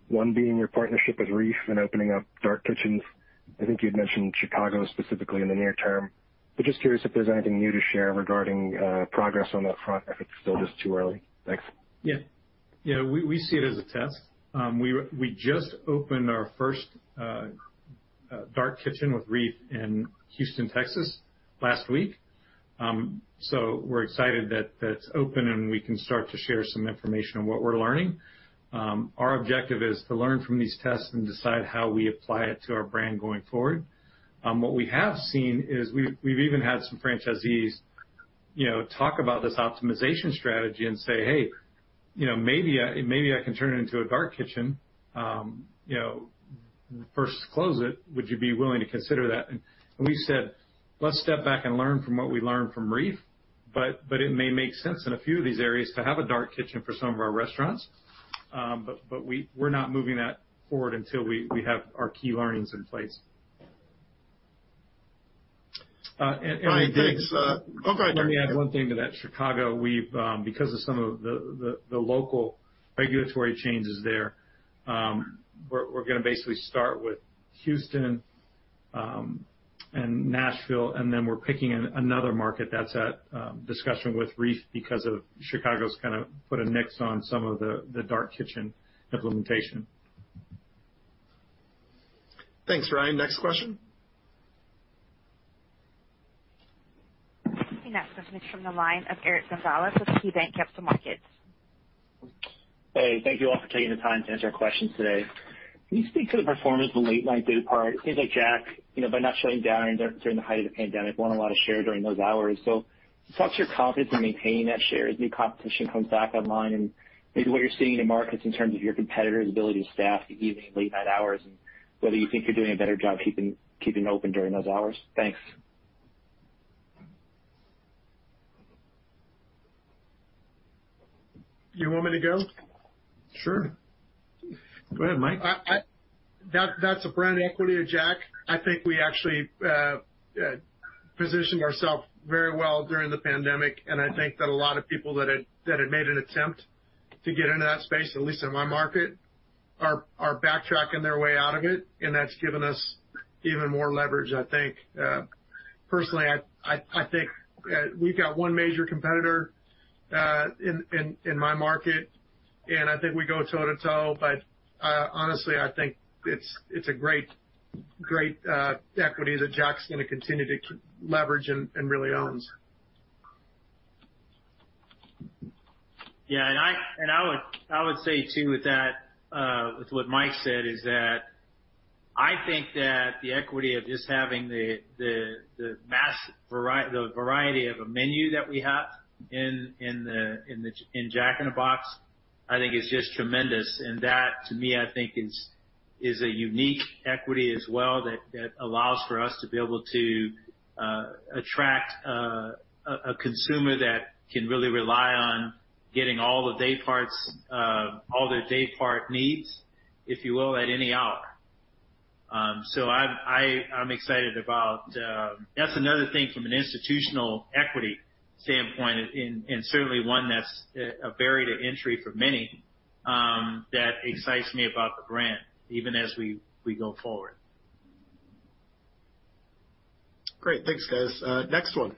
One being your partnership with Reef and opening up dark kitchens. I think you'd mentioned Chicago specifically in the near term. Just curious if there's anything new to share regarding progress on that front, if it's still just too early. Thanks.
Yeah. We see it as a test. We just opened our first dark kitchen with Reef in Houston, Texas last week. We're excited that that's open, and we can start to share some information on what we're learning. Our objective is to learn from these tests and decide how we apply it to our brand going forward. What we have seen is we've even had some franchisees, you know, talk about this optimization strategy and say, "Hey, you know, maybe I can turn it into a dark kitchen. You know, first close it. Would you be willing to consider that?" We said, "Let's step back and learn from what we learned from Reef." It may make sense in a few of these areas to have a dark kitchen for some of our restaurants. We're not moving that forward until we have our key learnings in place.
I think-
Mike, next. Oh, go ahead, Mike.
Let me add one thing to that. Chicago, we've because of some of the local regulatory changes there, we're gonna basically start with Houston and Nashville, and then we're picking another market that's at discussion with Reef because of Chicago's kinda put a nix on some of the dark kitchen implementation.
Thanks, Ryan. Next question.
The next question is from the line of Eric Gonzalez with KeyBanc Capital Markets.
Hey, thank you all for taking the time to answer our questions today. Can you speak to the performance of the late night day part? It seems like Jack, you know, by not shutting down during the height of the pandemic, won a lot of share during those hours. What's your confidence in maintaining that share as new competition comes back online, and maybe what you're seeing in the markets in terms of your competitors' ability to staff the evening and late night hours, and whether you think you're doing a better job keeping open during those hours? Thanks.
You want me to go?
Sure. Go ahead, Mike.
That's a brand equity of Jack. I think we actually positioned ourself very well during the pandemic, and I think that a lot of people that had made an attempt to get into that space, at least in my market, are backtracking their way out of it, and that's given us even more leverage, I think. Personally, I think we've got one major competitor in my market. I think we go toe-to-toe. Honestly, I think it's a great equity that Jack's gonna continue to leverage and really owns.
Yeah. I would say too with that, with what Mike said is that I think that the equity of just having the variety of a menu that we have in Jack in the Box, I think is just tremendous. That to me, I think is a unique equity as well that allows for us to be able to attract a consumer that can really rely on getting all the day parts, all their day part needs, if you will, at any hour. I'm excited about that. That's another thing from an institutional equity standpoint and certainly one that's a barrier to entry for many that excites me about the brand even as we go forward.
Great. Thanks, guys. Next one.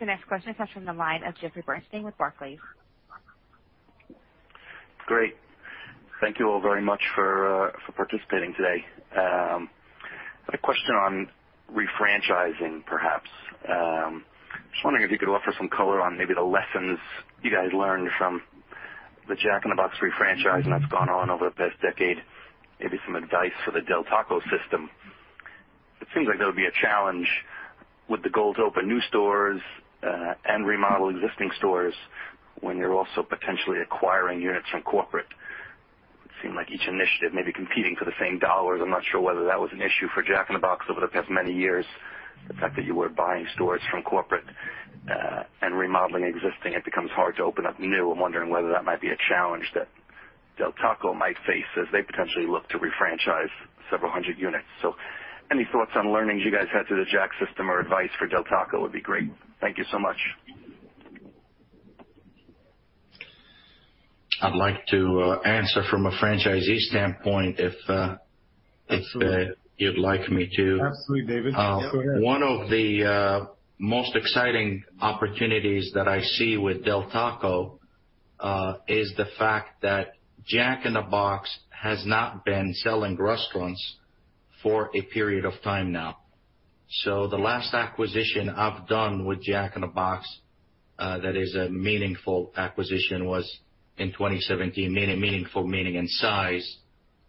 The next question comes from the line of Jeffrey Bernstein with Barclays.
Great. Thank you all very much for participating today. I had a question on refranchising perhaps. Just wondering if you could offer some color on maybe the lessons you guys learned from the Jack in the Box refranchising that's gone on over the past decade. Maybe some advice for the Del Taco system. It seems like that would be a challenge with the goal to open new stores and remodel existing stores when you're also potentially acquiring units from corporate. It would seem like each initiative may be competing for the same dollars. I'm not sure whether that was an issue for Jack in the Box over the past many years, the fact that you were buying stores from corporate and remodeling existing. It becomes hard to open up new. I'm wondering whether that might be a challenge that Del Taco might face as they potentially look to refranchise several hundred units. Any thoughts on learnings you guys had through the Jack system or advice for Del Taco would be great. Thank you so much.
I'd like to answer from a franchisee standpoint if
Absolutely.
you'd like me to.
Absolutely, David. Yeah, go ahead.
One of the most exciting opportunities that I see with Del Taco is the fact that Jack in the Box has not been selling restaurants for a period of time now. The last acquisition I've done with Jack in the Box that is a meaningful acquisition was in 2017. Meaningful, meaning in size,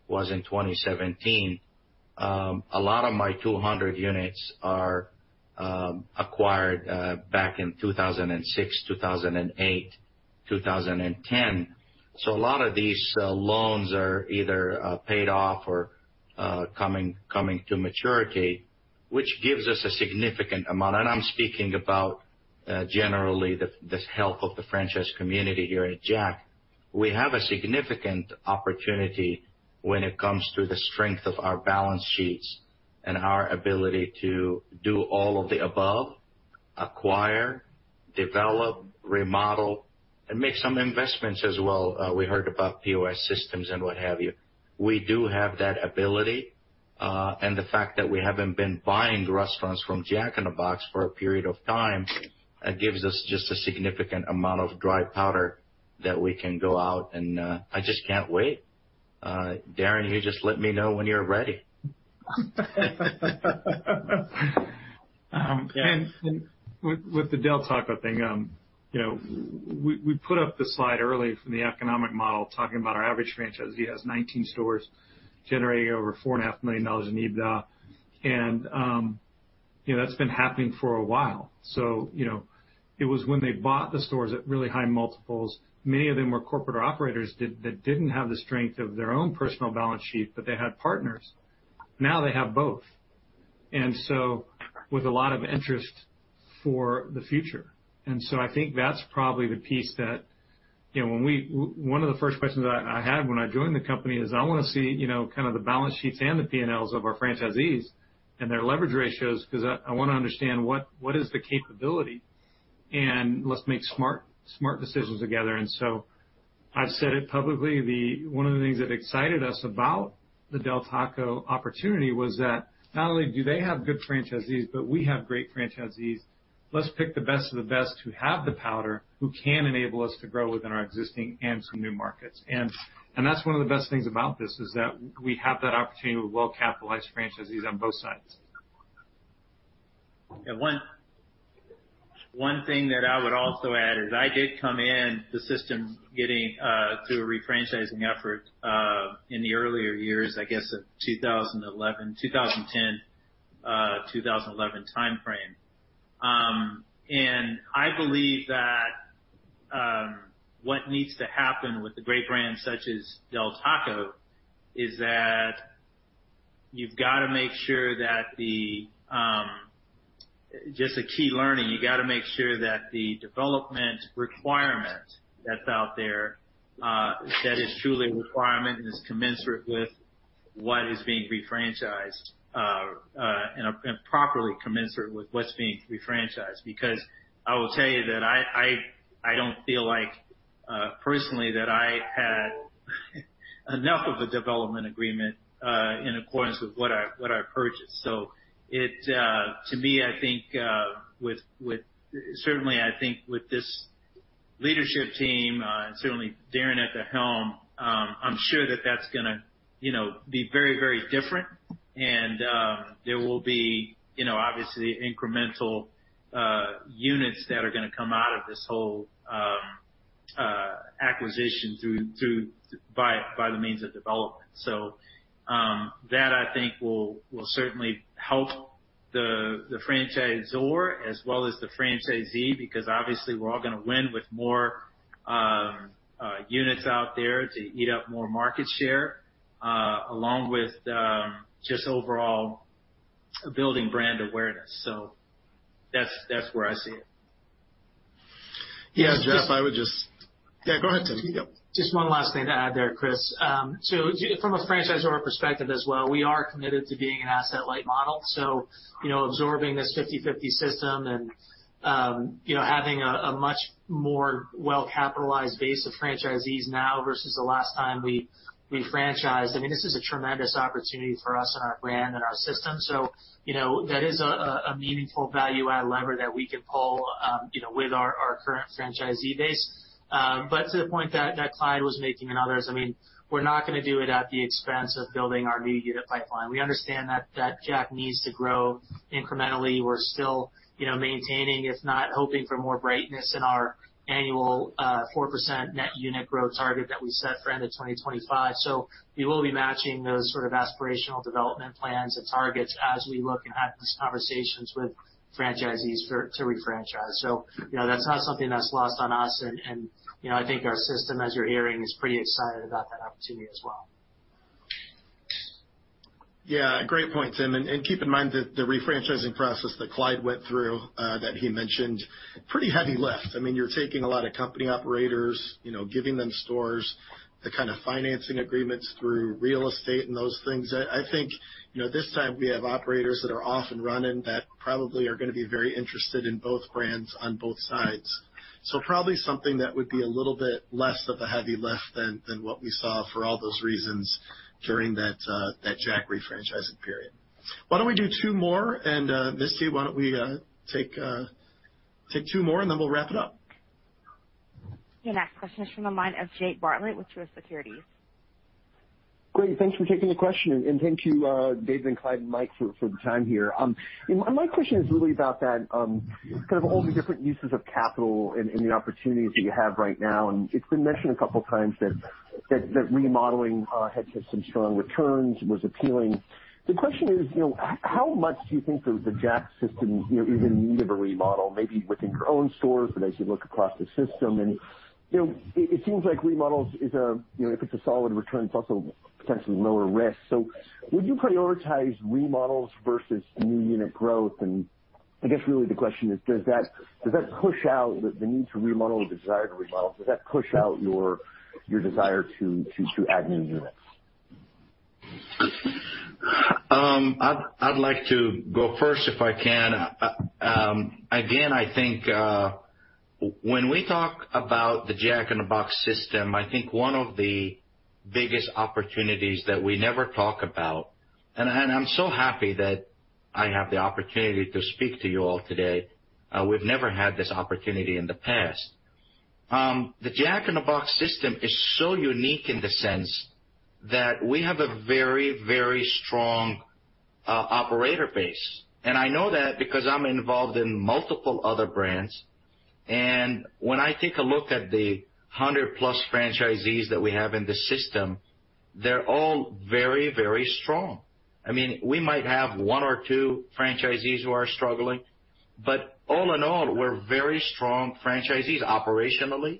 was in 2017. A lot of my 200 units are acquired back in 2006, 2008, 2010. A lot of these loans are either paid off or coming to maturity, which gives us a significant amount. I'm speaking about generally the health of the franchise community here at Jack. We have a significant opportunity when it comes to the strength of our balance sheets and our ability to do all of the above, acquire, develop, remodel, and make some investments as well. We heard about POS systems and what have you. We do have that ability. The fact that we haven't been buying restaurants from Jack in the Box for a period of time gives us just a significant amount of dry powder that we can go out and, I just can't wait. Darin, you just let me know when you're ready.
With the Del Taco thing, you know, we put up the slide early from the economic model talking about our average franchisee has 19 stores generating over $4.5 million in EBITDA. You know, that's been happening for a while. You know, it was when they bought the stores at really high multiples, many of them were corporate operators that didn't have the strength of their own personal balance sheet, but they had partners. Now they have both. With a lot of interest for the future. I think that's probably the piece that, you know, One of the first questions I had when I joined the company is I wanna see, you know, kind of the balance sheets and the P&Ls of our franchisees and their leverage ratios because I wanna understand what is the capability, and let's make smart decisions together. I've said it publicly, One of the things that excited us about the Del Taco opportunity was that not only do they have good franchisees, but we have great franchisees. Let's pick the best of the best who have the powder, who can enable us to grow within our existing and some new markets. And that's one of the best things about this, is that we have that opportunity with well-capitalized franchisees on both sides.
One thing that I would also add is I did come in the system getting through a refranchising effort in the earlier years, I guess, of 2010, 2011 timeframe. I believe that what needs to happen with a great brand such as Del Taco is that you've gotta make sure that the development requirement that's out there that is truly a requirement and is commensurate with what is being refranchised, and properly commensurate with what's being refranchised. Because I will tell you that I don't feel like personally that I had Enough of a development agreement in accordance with what I purchased. To me, I think with certainly this leadership team and certainly Darin at the helm, I'm sure that's gonna you know be very very different. There will be you know obviously incremental units that are gonna come out of this whole acquisition through by means of development. That I think will certainly help the franchisor as well as the franchisee, because obviously we're all gonna win with more units out there to eat up more market share, along with just overall building brand awareness. That's where I see it.
Yeah, Jeff, I would just.
Yes.
Yeah, go ahead, Tim. Yeah.
Just one last thing to add there, Chris. From a franchisor perspective as well, we are committed to being an asset-light model. You know, absorbing this 50/50 system and, you know, having a much more well-capitalized base of franchisees now versus the last time we franchised, I mean, this is a tremendous opportunity for us and our brand and our system. You know, that is a meaningful value-add lever that we can pull, you know, with our current franchisee base. But to the point that Clyde was making and others, I mean, we're not gonna do it at the expense of building our new unit pipeline. We understand that Jack needs to grow incrementally. We're still, you know, maintaining, if not hoping for more greatness in our annual 4% net unit growth target that we set for end of 2025. We will be matching those sort of aspirational development plans and targets as we look and have these conversations with franchisees to refranchise. You know, that's not something that's lost on us. You know, I think our system, as you're hearing, is pretty excited about that opportunity as well.
Yeah, great point, Tim. Keep in mind that the refranchising process that Clyde went through, that he mentioned, pretty heavy lift. I mean, you're taking a lot of company operators, you know, giving them stores, the kind of financing agreements through real estate and those things. I think, you know, this time we have operators that are off and running that probably are gonna be very interested in both brands on both sides. So probably something that would be a little bit less of a heavy lift than what we saw for all those reasons during that Jack refranchising period. Why don't we do two more? Misty, why don't we take two more, and then we'll wrap it up.
Your next question is from the line of Jake Bartlett with Truist Securities.
Great. Thanks for taking the question. Thank you, David and Clyde and Mike for the time here. My question is really about that, kind of all the different uses of capital and the opportunities that you have right now. It's been mentioned a couple of times that remodeling had some strong returns, was appealing. The question is, you know, how much do you think the Jack system, you know, is in need of a remodel, maybe within your own stores, but as you look across the system? You know, it seems like remodels is a, you know, if it's a solid return, it's also potentially lower risk. Would you prioritize remodels versus new unit growth? I guess really the question is, does that push out the need to remodel, the desire to remodel, does that push out your desire to add new units?
I'd like to go first, if I can. Again, I think when we talk about the Jack in the Box system, I think one of the biggest opportunities that we never talk about, and I'm so happy that I have the opportunity to speak to you all today, we've never had this opportunity in the past. The Jack in the Box system is so unique in the sense that we have a very, very strong operator base. I know that because I'm involved in multiple other brands. When I take a look at the 100-plus franchisees that we have in the system, they're all very, very strong. I mean, we might have one or two franchisees who are struggling, but all in all, we're very strong franchisees, operationally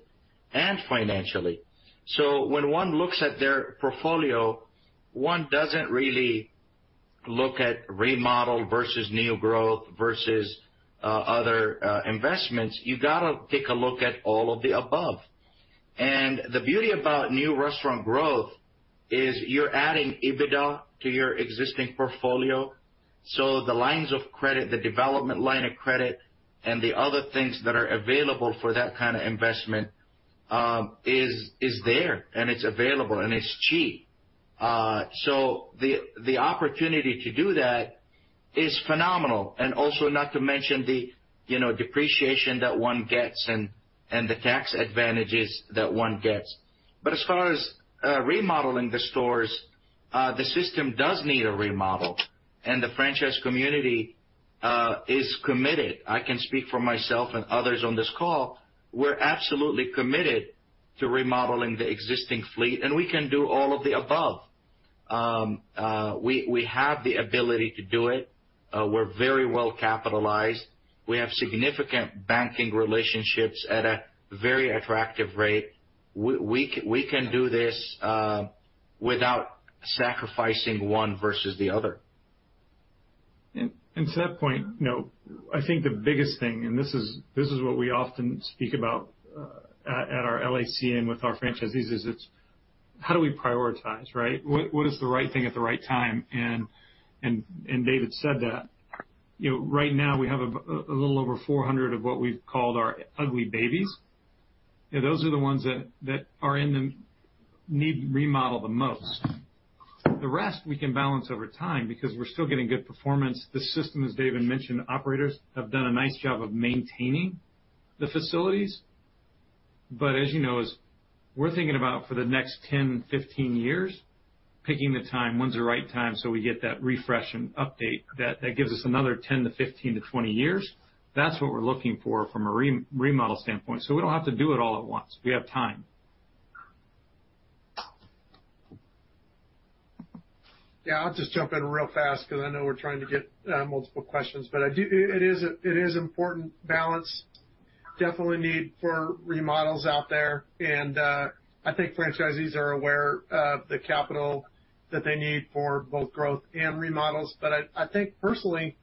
and financially. When one looks at their portfolio, one doesn't really look at remodel versus new growth versus other investments. You gotta take a look at all of the above. The beauty about new restaurant growth is you're adding EBITDA to your existing portfolio. The lines of credit, the development line of credit, and the other things that are available for that kinda investment is there, and it's available, and it's cheap. The opportunity to do that is phenomenal. Also not to mention the depreciation that one gets and the tax advantages that one gets. As far as remodeling the stores, the system does need a remodel, and the franchise community is committed. I can speak for myself and others on this call, we're absolutely committed to remodeling the existing fleet, and we can do all of the above. We have the ability to do it. We're very well capitalized. We have significant banking relationships at a very attractive rate. We can do this without sacrificing one versus the other.
To that point, you know, I think the biggest thing, and this is what we often speak about at our LAC and with our franchisees, is it's how do we prioritize, right? What is the right thing at the right time? David said that. You know, right now we have a little over 400 of what we've called our ugly babies. Those are the ones that are in need remodel the most. The rest we can balance over time because we're still getting good performance. The system, as David mentioned, operators have done a nice job of maintaining the facilities. But as you know, as we're thinking about for the next 10, 15 years, picking the time, when's the right time, so we get that refresh and update that gives us another 10 to 15 to 20 years. That's what we're looking for from a remodel standpoint, so we don't have to do it all at once. We have time.
Yeah. I'll just jump in real fast because I know we're trying to get multiple questions, but it is an important balance, definite need for remodels out there. I think franchisees are aware of the capital that they need for both growth and remodels. I think personally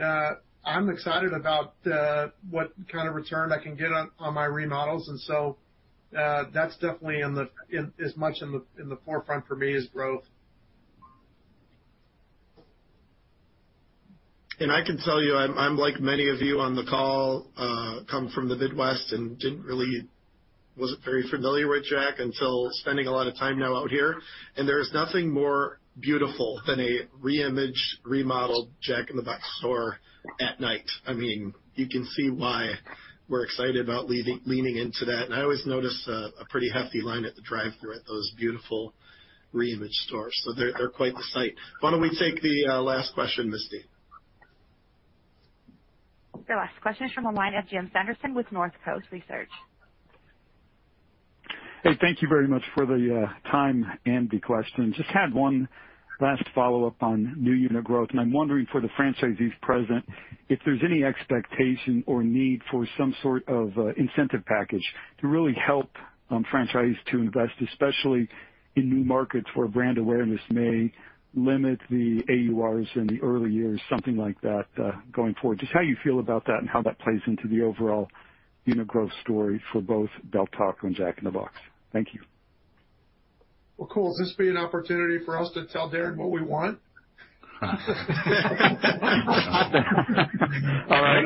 I'm excited about what kind of return I can get on my remodels. That's definitely as much in the forefront for me as growth.
I can tell you, I'm like many of you on the call, come from the Midwest and wasn't very familiar with Jack until spending a lot of time now out here. There is nothing more beautiful than a reimage, remodeled Jack in the Box store at night. I mean, you can see why we're excited about leaning into that. I always notice a pretty hefty line at the drive-thru at those beautiful reimage stores. They're quite the sight. Why don't we take the last question, Misty.
The last question is from the line of Jim Sanderson with Northcoast Research.
Hey, thank you very much for the time and the questions. Just had one last follow-up on new unit growth, and I'm wondering for the franchisees present, if there's any expectation or need for some sort of incentive package to really help franchisees to invest, especially in new markets where brand awareness may limit the AURs in the early years, something like that, going forward. Just how you feel about that and how that plays into the overall unit growth story for both Del Taco and Jack in the Box. Thank you.
Well, cool. Will this be an opportunity for us to tell Darin what we want?
All right.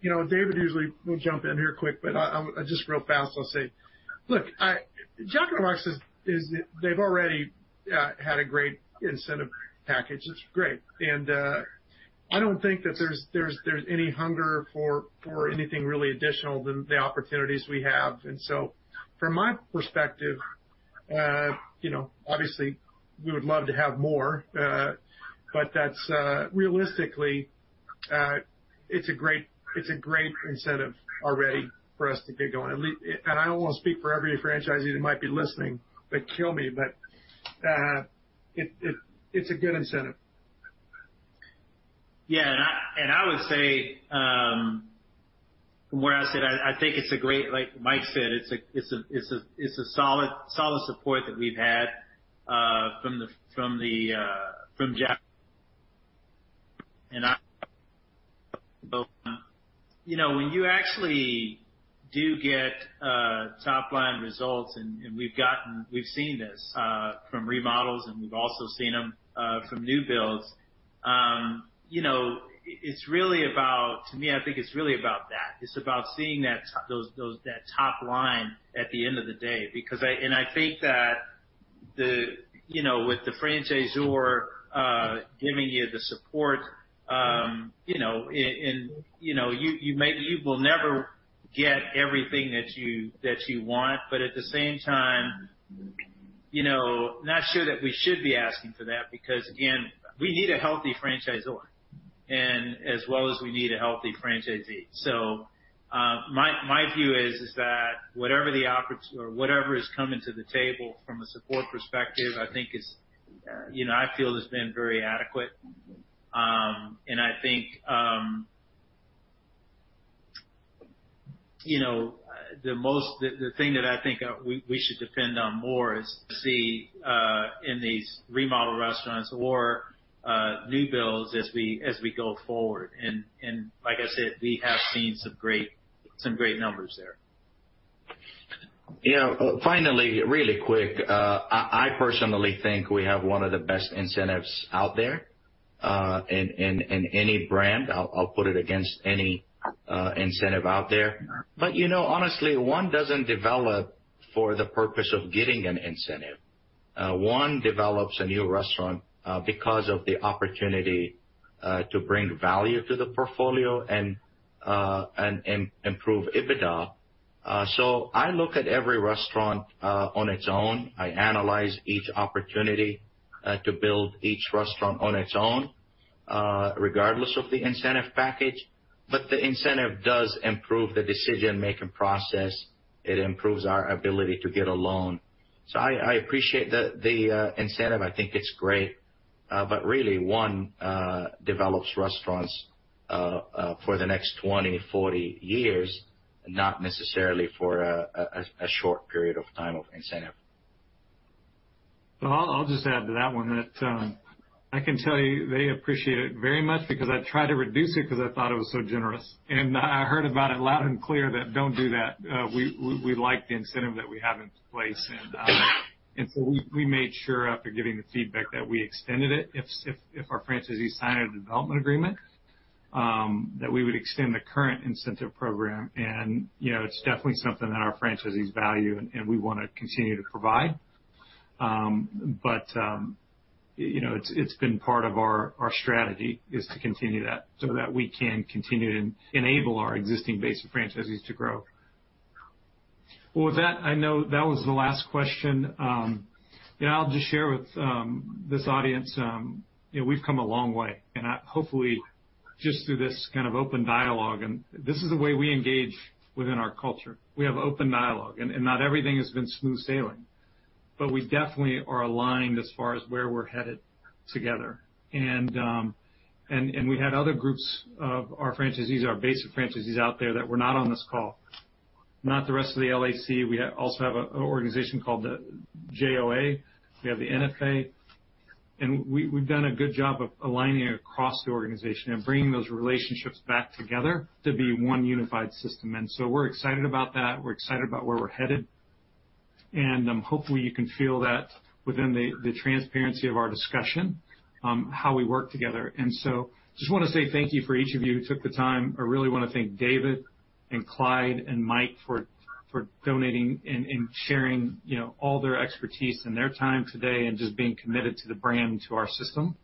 You know, David usually will jump in here quick, but I'll just real fast say. Look, Jack in the Box is they've already had a great incentive package. It's great. I don't think that there's any hunger for anything really additional than the opportunities we have. From my perspective, you know, obviously, we would love to have more, but that's realistically it's a great incentive already for us to get going. I don't want to speak for every franchisee that might be listening. They'd kill me. It's a good incentive.
I would say from where I sit, I think, like Mike said, it's a solid support that we've had from Jack. You know, when you actually do get top line results, and we've seen this from remodels, and we've also seen them from new builds. You know, it's really about, to me, I think it's really about that. It's about seeing that top line at the end of the day, because I I think that, you know, with the franchisor giving you the support, you know, and, you know, you will never get everything that you want, but at the same time, you know, not sure that we should be asking for that because, again, we need a healthy franchisor and as well as we need a healthy franchisee. My view is that whatever is coming to the table from a support perspective, I think is, you know, I feel has been very adequate. I think, you know, the thing that I think we should depend on more is to see in these remodel restaurants or new builds as we go forward. Like I said, we have seen some great numbers there.
You know, finally, really quick, I personally think we have one of the best incentives out there, in any brand. I'll put it against any incentive out there. You know, honestly, one doesn't develop for the purpose of getting an incentive. One develops a new restaurant because of the opportunity to bring value to the portfolio and improve EBITDA. I look at every restaurant on its own. I analyze each opportunity to build each restaurant on its own, regardless of the incentive package. The incentive does improve the decision-making process. It improves our ability to get a loan. I appreciate the incentive. I think it's great. Really one develops restaurants for the next 20, 40 years, not necessarily for a short period of time of incentive.
Well, I'll just add to that one that I can tell you they appreciate it very much because I tried to reduce it because I thought it was so generous, and I heard about it loud and clear that don't do that. We like the incentive that we have in place. So we made sure after getting the feedback that we extended it, if our franchisees sign a development agreement, that we would extend the current incentive program. You know, it's definitely something that our franchisees value and we wanna continue to provide. It's been part of our strategy is to continue that so that we can continue to enable our existing base of franchisees to grow. Well, with that, I know that was the last question. You know, I'll just share with this audience, you know, we've come a long way. Hopefully just through this kind of open dialogue, and this is the way we engage within our culture. We have open dialogue, and not everything has been smooth sailing, but we definitely are aligned as far as where we're headed together. We had other groups of our franchisees, our base of franchisees out there that were not on this call, not the rest of the LAC. We also have an organization called the JOA. We have the NFA. We've done a good job of aligning across the organization and bringing those relationships back together to be one unified system. We're excited about that. We're excited about where we're headed, and hopefully you can feel that within the transparency of our discussion, how we work together. Just wanna say thank you for each of you who took the time. I really wanna thank David and Clyde and Mike for donating and sharing, you know, all their expertise and their time today and just being committed to the brand, to our system.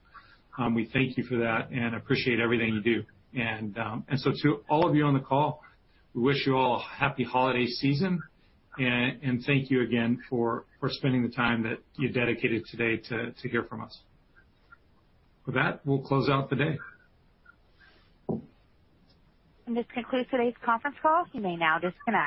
We thank you for that and appreciate everything you do. To all of you on the call, we wish you all a happy holiday season, and thank you again for spending the time that you dedicated today to hear from us. With that, we'll close out the day.
This concludes today's conference call. You may now disconnect.